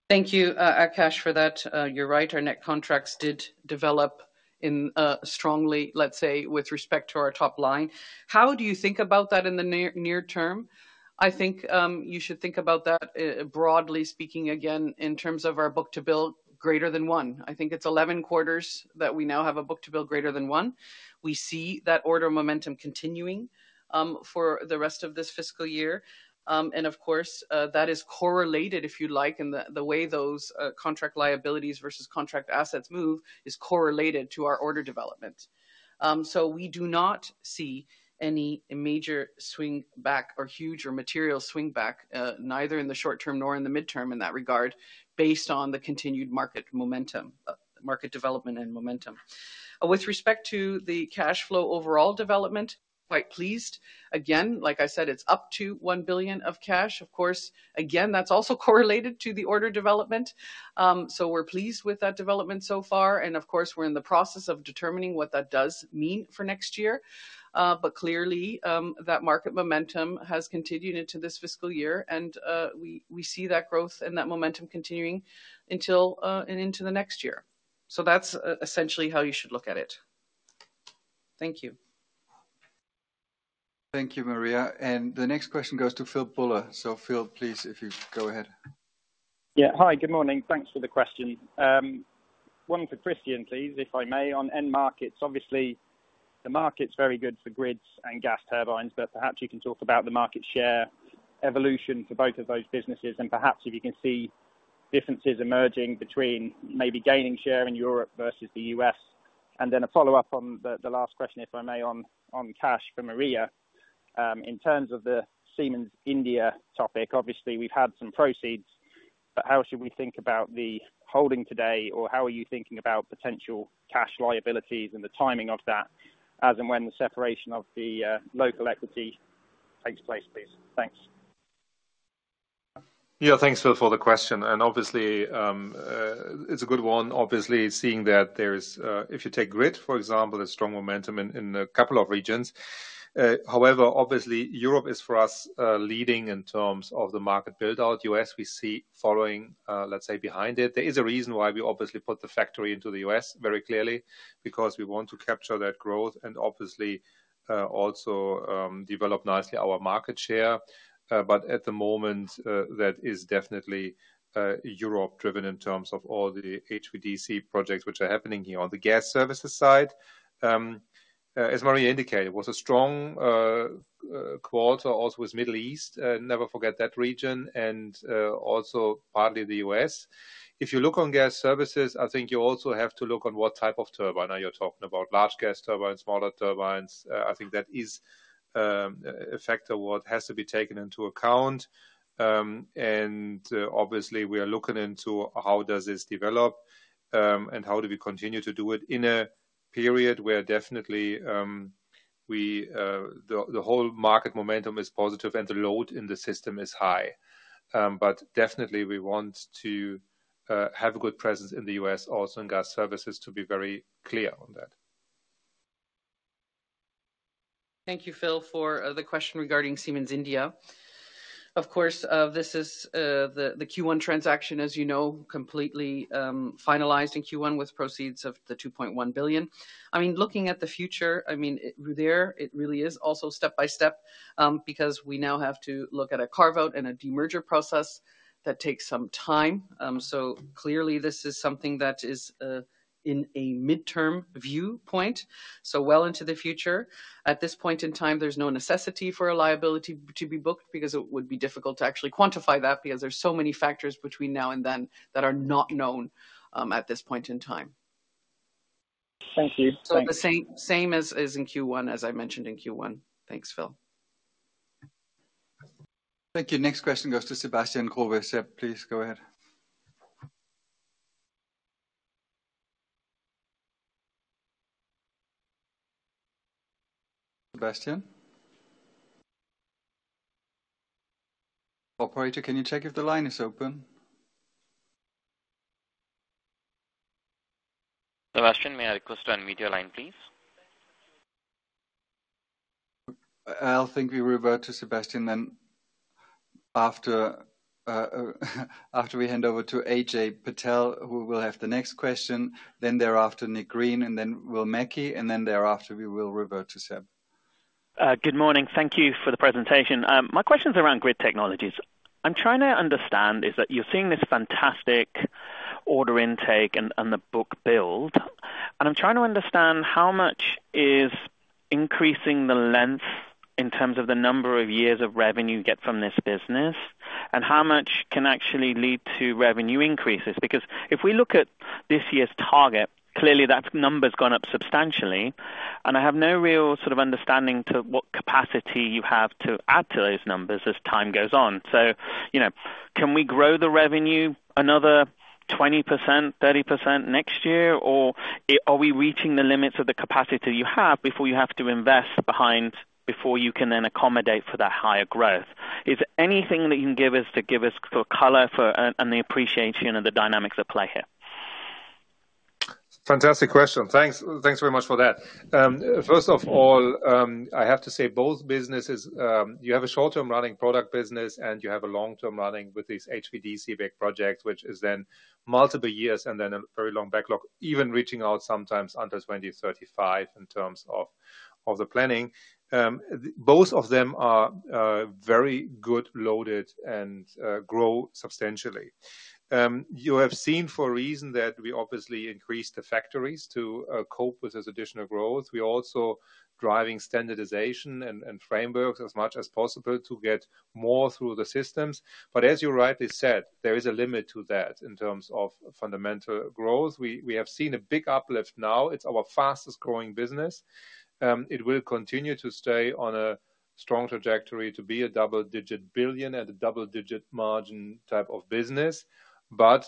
Thank you, Akash, for that. You're right. Our net contracts did develop in strongly, let's say, with respect to our top line. How do you think about that in the near-term? I think you should think about that, broadly speaking, again, in terms of our book-to-bill greater than one. I think it's 11 quarters that we now have a book-to-bill greater than one. We see that order momentum continuing for the rest of this fiscal year. And of course, that is correlated, if you like, in the way those contract liabilities versus contract assets move is correlated to our order development. So we do not see any major swing back or huge or material swing back, neither in the short-term nor in the mid-term in that regard based on the continued market momentum, market development and momentum. With respect to the cash flow overall development, quite pleased. Again, like I said, it's up to 1 billion of cash. Of course, again, that's also correlated to the order development. So we're pleased with that development so far. And of course, we're in the process of determining what that does mean for next year. But clearly, that market momentum has continued into this fiscal year. And we see that growth and that momentum continuing until, and into the next year. So that's essentially how you should look at it. Thank you. Thank you, Maria. The next question goes to Phil Buller. Phil, please, if you go ahead. Yeah. Hi. Good morning. Thanks for the question. One for Christian, please, if I may, on end markets. Obviously, the market's very good for grids and gas turbines, but perhaps you can talk about the market share evolution for both of those businesses and perhaps if you can see differences emerging between maybe gaining share in Europe versus the US. And then a follow-up on the last question, if I may, on cash for Maria. In terms of the Siemens India topic, obviously, we've had some proceeds, but how should we think about the holding today or how are you thinking about potential cash liabilities and the timing of that as and when the separation of the local equity takes place, please? Thanks. Yeah. Thanks, Phil, for the question. And obviously, it's a good one. Obviously, seeing that there is, if you take grid, for example, there's strong momentum in a couple of regions. However, obviously, Europe is for us, leading in terms of the market buildout. US, we see following, let's say, behind it. There is a reason why we obviously put the factory into the US very clearly because we want to capture that growth and obviously, also, develop nicely our market share. But at the moment, that is definitely, Europe-driven in terms of all the HVDC projects which are happening here on the Gas Services side. As Maria indicated, it was a strong quarter also with Middle East. Never forget that region and, also partly the US. If you look on Gas Services, I think you also have to look on what type of turbine are you talking about, large gas turbines, smaller turbines. I think that is a factor what has to be taken into account. And, obviously, we are looking into how does this develop, and how do we continue to do it in a period where definitely, we, the whole market momentum is positive and the load in the system is high. But definitely, we want to have a good presence in the U.S. also in Gas Services to be very clear on that. Thank you, Phil, for the question regarding Siemens India. Of course, this is the Q1 transaction, as you know, completely finalized in Q1 with proceeds of 2.1 billion. I mean, looking at the future, I mean, there, it really is also step by step, because we now have to look at a carve-out and a demerger process that takes some time. So clearly, this is something that is, in a mid-term viewpoint, so well into the future. At this point in time, there's no necessity for a liability to be booked because it would be difficult to actually quantify that because there's so many factors between now and then that are not known, at this point in time. Thank you. So the same as in Q1, as I mentioned in Q1. Thanks, Phil. Thank you. Next question goes to Sebastian Growe. Seb, please go ahead. Sebastian. Operator, can you check if the line is open? Sebastian, may I request to unmute your line, please? I think we'll revert to Sebastian then after, after we hand over to AJ Patel, who will have the next question. Then thereafter, Nick Green, and then we'll Mackie, and then thereafter, we will revert to Seb. Good morning. Thank you for the presentation. My question's around Grid Technologies. I'm trying to understand is that you're seeing this fantastic order intake and the book build, and I'm trying to understand how much is increasing the length in terms of the number of years of revenue you get from this business and how much can actually lead to revenue increases? Because if we look at this year's target, clearly, that number's gone up substantially, and I have no real sort of understanding to what capacity you have to add to those numbers as time goes on. So, you know, can we grow the revenue another 20%, 30% next year, or are we reaching the limits of the capacity you have before you have to invest behind before you can then accommodate for that higher growth? Is there anything that you can give us to give us sort of color for and the appreciation, you know, the dynamics at play here? Fantastic question. Thanks. Thanks very much for that. First of all, I have to say both businesses, you have a short-term running product business, and you have a long-term running with these HVDC big projects, which is then multiple years and then a very long backlog, even reaching out sometimes under 2035 in terms of of the planning. Both of them are very good loaded and grow substantially. You have seen for a reason that we obviously increased the factories to cope with this additional growth. We're also driving standardization and frameworks as much as possible to get more through the systems. But as you rightly said, there is a limit to that in terms of fundamental growth. We have seen a big uplift now. It's our fastest growing business. It will continue to stay on a strong trajectory to be a double-digit billion and a double-digit margin type of business. But,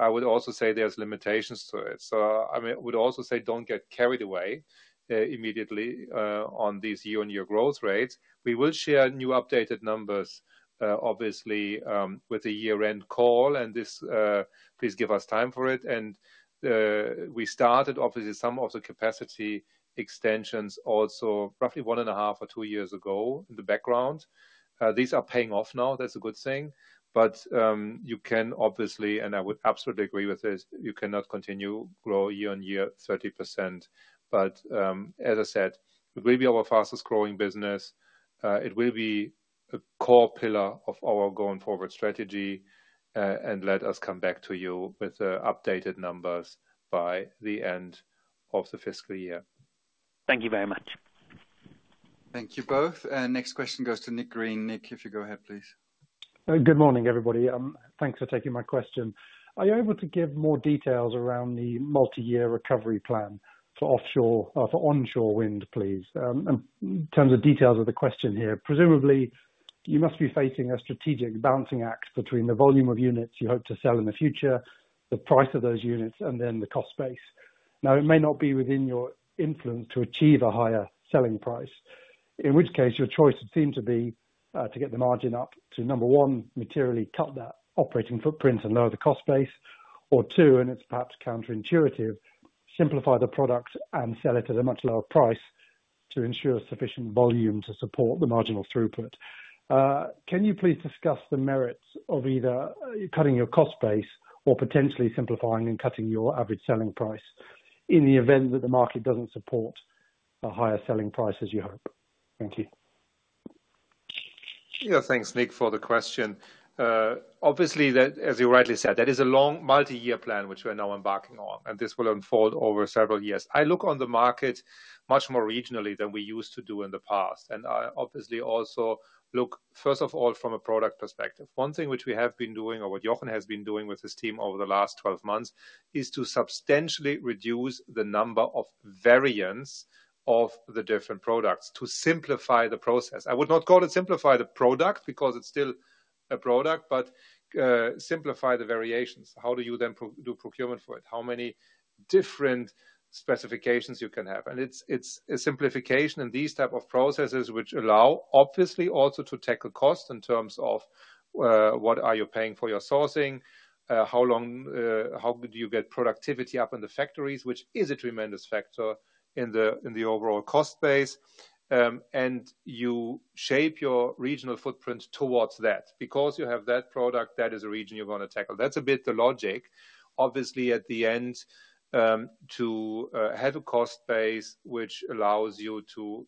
I would also say there's limitations to it. So, I mean, I would also say don't get carried away, immediately, on these year-on-year growth rates. We will share new updated numbers, obviously, with the year-end call, and this, please give us time for it. And, we started, obviously, some of the capacity extensions also roughly 1.5 or 2 years ago in the background. These are paying off now. That's a good thing. But, you can obviously and I would absolutely agree with this, you cannot continue to grow year-on-year 30%. But, as I said, it will be our fastest growing business. It will be a core pillar of our going forward strategy, and let us come back to you with updated numbers by the end of the fiscal year. Thank you very much. Thank you both. Next question goes to Nick Green. Nick, if you go ahead, please. Good morning, everybody. Thanks for taking my question. Are you able to give more details around the multi-year recovery plan for offshore or for onshore wind, please? And in terms of details of the question here, presumably, you must be facing a strategic balancing act between the volume of units you hope to sell in the future, the price of those units, and then the cost base. Now, it may not be within your influence to achieve a higher selling price, in which case your choice would seem to be, to get the margin up to, number one, materially cut that operating footprint and lower the cost base, or two, and it's perhaps counterintuitive, simplify the product and sell it at a much lower price to ensure sufficient volume to support the marginal throughput. Can you please discuss the merits of either cutting your cost base or potentially simplifying and cutting your average selling price in the event that the market doesn't support a higher selling price as you hope? Thank you. Yeah. Thanks, Nick, for the question. Obviously, that as you rightly said, that is a long multi-year plan which we're now embarking on, and this will unfold over several years. I look on the market much more regionally than we used to do in the past, and I obviously also look, first of all, from a product perspective. One thing which we have been doing or what Jochen has been doing with his team over the last 12 months is to substantially reduce the number of variants of the different products to simplify the process. I would not call it simplify the product because it's still a product, but simplify the variations. How do you then do procurement for it? How many different specifications you can have? It's a simplification in these types of processes which allow, obviously, also to tackle cost in terms of what are you paying for your sourcing, how long, how do you get productivity up in the factories, which is a tremendous factor in the overall cost base, and you shape your regional footprint towards that because you have that product that is a region you're going to tackle. That's a bit the logic. Obviously, at the end, to have a cost base which allows you to,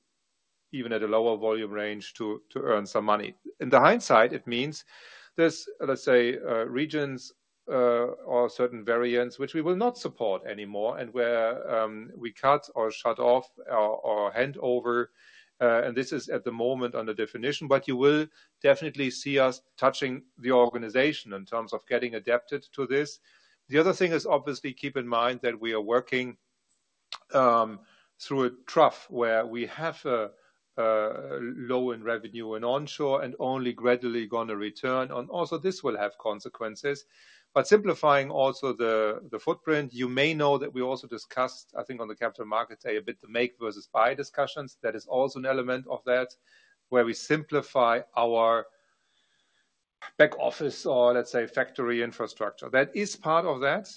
even at a lower volume range, to earn some money. In hindsight, it means there's, let's say, regions, or certain variants which we will not support anymore and where we cut or shut off or hand over, and this is at the moment under definition, but you will definitely see us touching the organization in terms of getting adapted to this. The other thing is obviously keep in mind that we are working through a trough where we have a low in revenue in onshore and only gradually going to return, and also this will have consequences. But simplifying also the footprint, you may know that we also discussed, I think, on the Capital Markets Day a bit the make versus buy discussions. That is also an element of that where we simplify our back office or, let's say, factory infrastructure. That is part of that,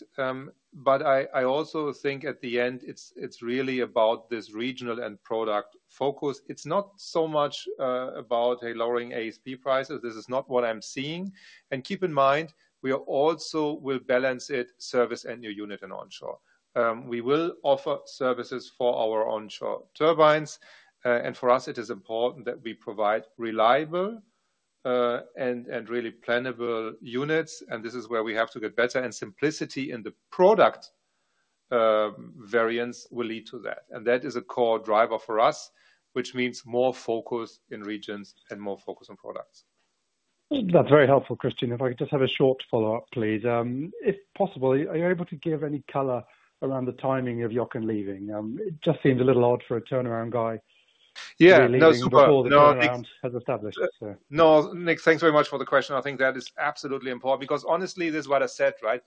but I also think at the end, it's really about this regional and product focus. It's not so much about hey, lowering ASP prices. This is not what I'm seeing. And keep in mind, we also will balance it service and new unit and onshore. We will offer services for our onshore turbines, and for us, it is important that we provide reliable and really plannable units, and this is where we have to get better, and simplicity in the product variants will lead to that. And that is a core driver for us, which means more focus in regions and more focus on products. That's very helpful, Christian. If I could just have a short follow-up, please. If possible, are you able to give any color around the timing of Jochen leaving? It just seems a little odd for a turnaround guy to be leaving before the turnaround has established itself. Yeah. No, Nick, thanks very much for the question. I think that is absolutely important because, honestly, this is what I said, right?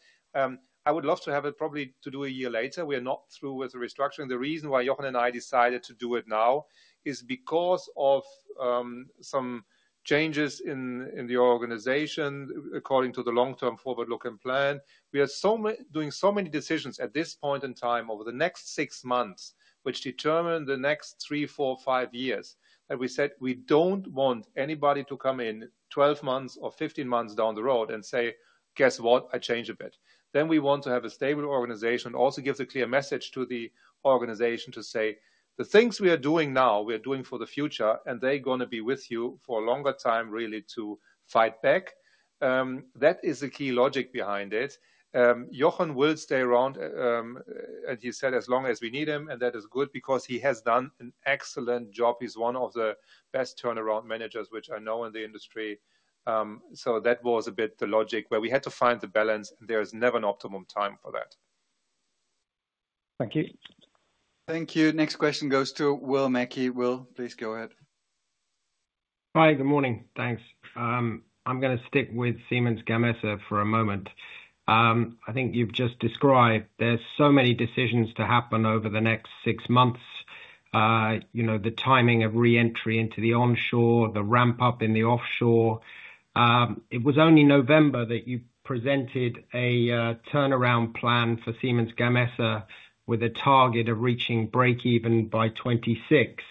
I would love to have it probably to do a year later. We are not through with the restructuring. The reason why Jochen and I decided to do it now is because of some changes in the organization according to the long-term forward-looking plan. We are so doing so many decisions at this point in time over the next six months, which determine the next three, four, five years, that we said we don't want anybody to come in 12 months or 15 months down the road and say, "Guess what? I change a bit." Then we want to have a stable organization and also give the clear message to the organization to say, "The things we are doing now, we are doing for the future, and they're going to be with you for a longer time, really, to fight back." That is the key logic behind it. Jochen will stay around, as you said, as long as we need him, and that is good because he has done an excellent job. He's one of the best turnaround managers, which I know in the industry. So that was a bit the logic where we had to find the balance, and there is never an optimum time for that. Thank you. Thank you. Next question goes to Will Mackie. Will, please go ahead. Hi. Good morning. Thanks. I'm going to stick with Siemens Gamesa for a moment. I think you've just described there's so many decisions to happen over the next six months, you know, the timing of reentry into the onshore, the ramp-up in the offshore. It was only November that you presented a turnaround plan for Siemens Gamesa with a target of reaching break-even by 2026.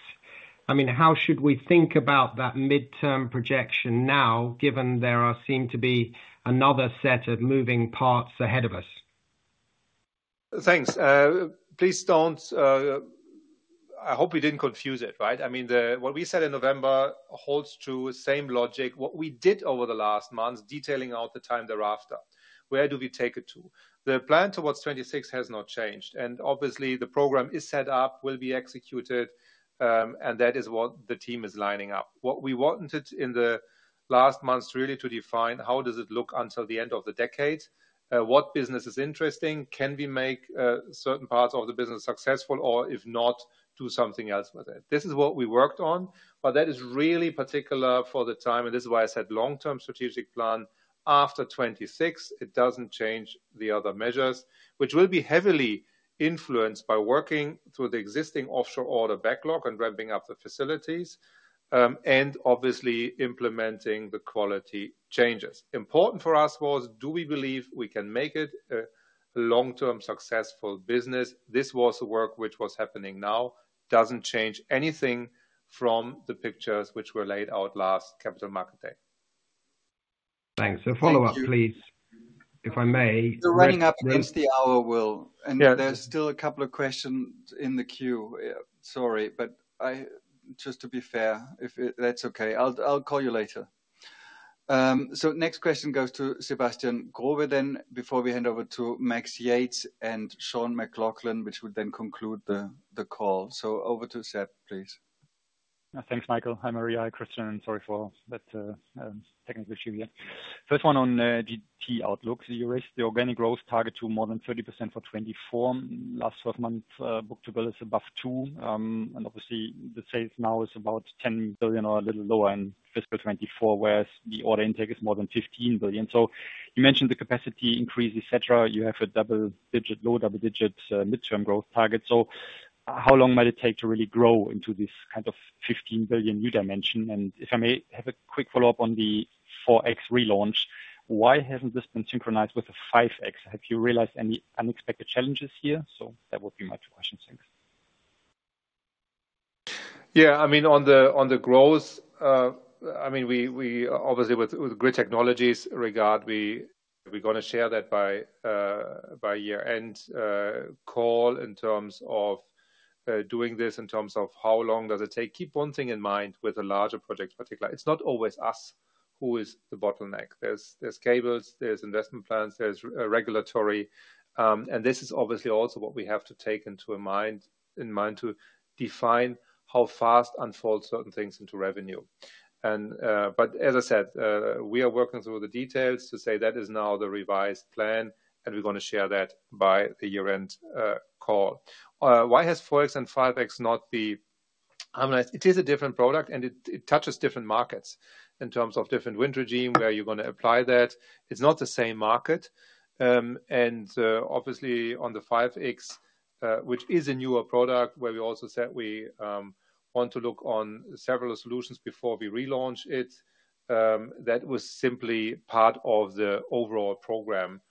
I mean, how should we think about that midterm projection now given there seem to be another set of moving parts ahead of us? Thanks. Please don't, I hope we didn't confuse it, right? I mean, what we said in November holds to the same logic, what we did over the last months detailing out the time thereafter. Where do we take it to? The plan towards 2026 has not changed, and obviously, the program is set up, will be executed, and that is what the team is lining up. What we wanted in the last months really to define how does it look until the end of the decade, what business is interesting, can we make certain parts of the business successful, or if not, do something else with it. This is what we worked on, but that is really particular for the time, and this is why I said long-term strategic plan after 2026. It doesn't change the other measures, which will be heavily influenced by working through the existing offshore order backlog and ramping up the facilities, and obviously implementing the quality changes. Important for us was, do we believe we can make it a long-term successful business? This was the work which was happening now. Doesn't change anything from the pictures which were laid out last Capital Markets Day. Thanks. A follow-up, please, if I may. You're running up against the hour, Will, and there's still a couple of questions in the queue. Sorry, but I just to be fair, if that's okay, I'll call you later. So next question goes to Sebastian Growe, then before we hand over to Max Yates and Sean McLoughlin, which would then conclude the call. So over to Seb, please. Thanks, Michael. Hi, Maria. Hi, Christian. And sorry for that, technical issue here. First one on GT Outlook. You raised the organic growth target to more than 30% for 2024. Last 12 months, book-to-bill is above 2. And obviously, the sales now is about 10 billion or a little lower in fiscal 2024, whereas the order intake is more than 15 billion. So you mentioned the capacity increase, etc. You have a double-digit, low double-digit, midterm growth target. So how long might it take to really grow into this kind of 15 billion new dimension? And if I may have a quick follow-up on the 4X relaunch, why hasn't this been synchronized with a 5X? Have you realized any unexpected challenges here? So that would be my 2 questions. Thanks. Yeah. I mean, on the growth, I mean, we obviously with Grid Technologies regard, we're going to share that by year-end call in terms of doing this in terms of how long does it take. Keep one thing in mind with a larger project particularly. It's not always us who is the bottleneck. There's cables, there's investment plans, there's regulatory, and this is obviously also what we have to take into a mind to define how fast unfold certain things into revenue. But as I said, we are working through the details to say that is now the revised plan, and we're going to share that by the year-end call. Why has 4X and 5X not be harmonized? It is a different product, and it touches different markets in terms of different wind regime where you're going to apply that. It's not the same market. Obviously, on the 5X, which is a newer product where we also said we want to look on several solutions before we relaunch it, that was simply part of the overall program,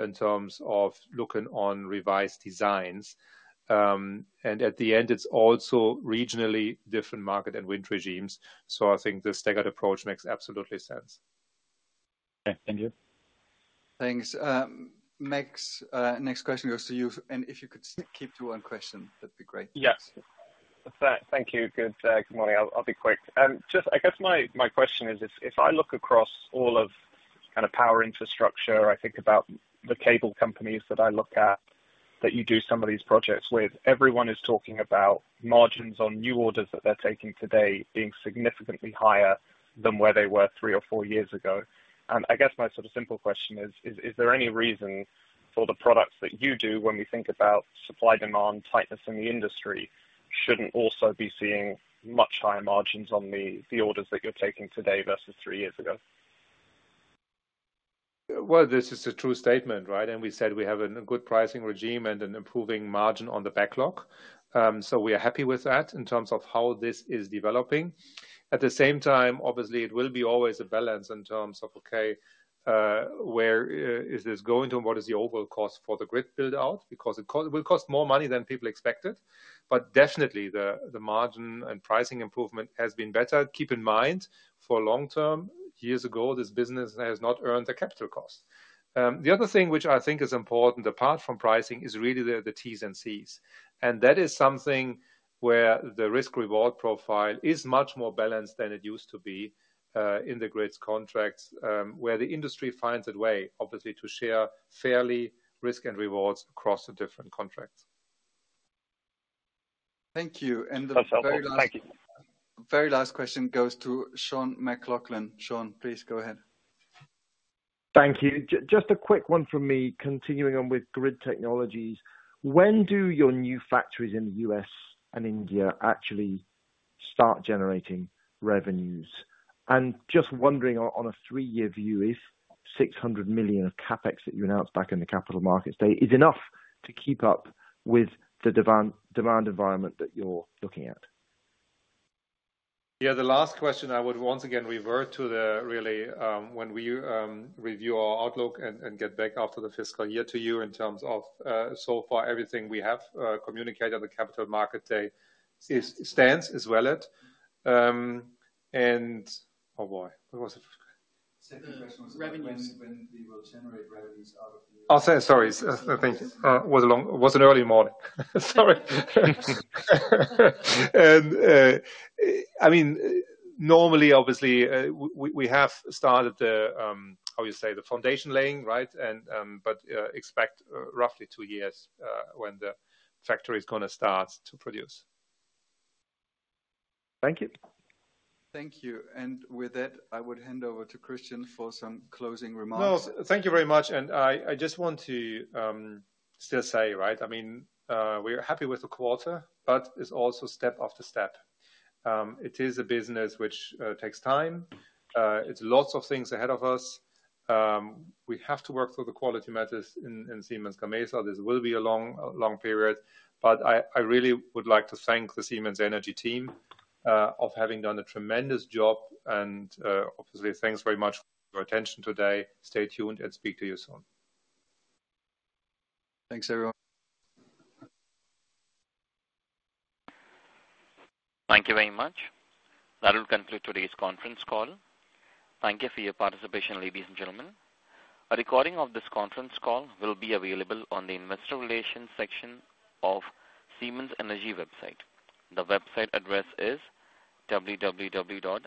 in terms of looking on revised designs. At the end, it's also regionally different market and wind regimes. So I think the staggered approach makes absolutely sense. Okay. Thank you. Thanks. Max, next question goes to you, and if you could keep to one question, that'd be great. Yes. Thank you. Good morning. I'll be quick. Just, I guess my question is if I look across all of kind of power infrastructure, I think about the cable companies that I look at that you do some of these projects with, everyone is talking about margins on new orders that they're taking today being significantly higher than where they were three or four years ago. And I guess my sort of simple question is, is there any reason for the products that you do when we think about supply-demand tightness in the industry shouldn't also be seeing much higher margins on the orders that you're taking today versus three years ago? Well, this is a true statement, right? And we said we have a good pricing regime and an improving margin on the backlog. So we are happy with that in terms of how this is developing. At the same time, obviously, it will always be a balance in terms of, okay, where is this going to and what is the overall cost for the grid buildout because it will cost more money than people expected. But definitely, the margin and pricing improvement has been better. Keep in mind, for long term, years ago, this business has not earned the capital cost. The other thing which I think is important apart from pricing is really the T's and C's. And that is something where the risk-reward profile is much more balanced than it used to be, in the grid's contracts, where the industry finds a way, obviously, to share fairly risk and rewards across the different contracts. Thank you. And the very last. No problem. Thank you. Very last question goes to Sean D. McLoughlin. Sean, please go ahead. Thank you. Just a quick one from me, continuing on with Grid Technologies. When do your new factories in the U.S. and India actually start generating revenues? And just wondering on a three-year view, if 600 million of CapEx that you announced back in the Capital Market Day is enough to keep up with the demand demand environment that you're looking at? Yeah. The last question, I would once again revert to the really, when we review our Outlook and get back after the fiscal year to you in terms of, so far, everything we have communicated on the Capital Markets Day stands valid. Oh boy. What was the first question? Second question was when we will generate revenues out of the. Oh, sorry. Sorry. Thank you. It was a long, it was an early morning. Sorry. And, I mean, normally, obviously, we have started the, how do you say, the foundation laying, right? And, but, expect roughly two years, when the factory is going to start to produce. Thank you. Thank you. With that, I would hand over to Christian for some closing remarks. No, thank you very much. And I just want to still say, right? I mean, we are happy with the quarter, but it's also step after step. It is a business which takes time. It's lots of things ahead of us. We have to work through the quality matters in Siemens Gamesa. This will be a long period. But I really would like to thank the Siemens Energy team of having done a tremendous job. And, obviously, thanks very much for your attention today. Stay tuned, and speak to you soon. Thanks, everyone. Thank you very much. That will conclude today's conference call. Thank you for your participation, ladies and gentlemen. A recording of this conference call will be available on the investor relations section of Siemens Energy website. The website address is www.siemens.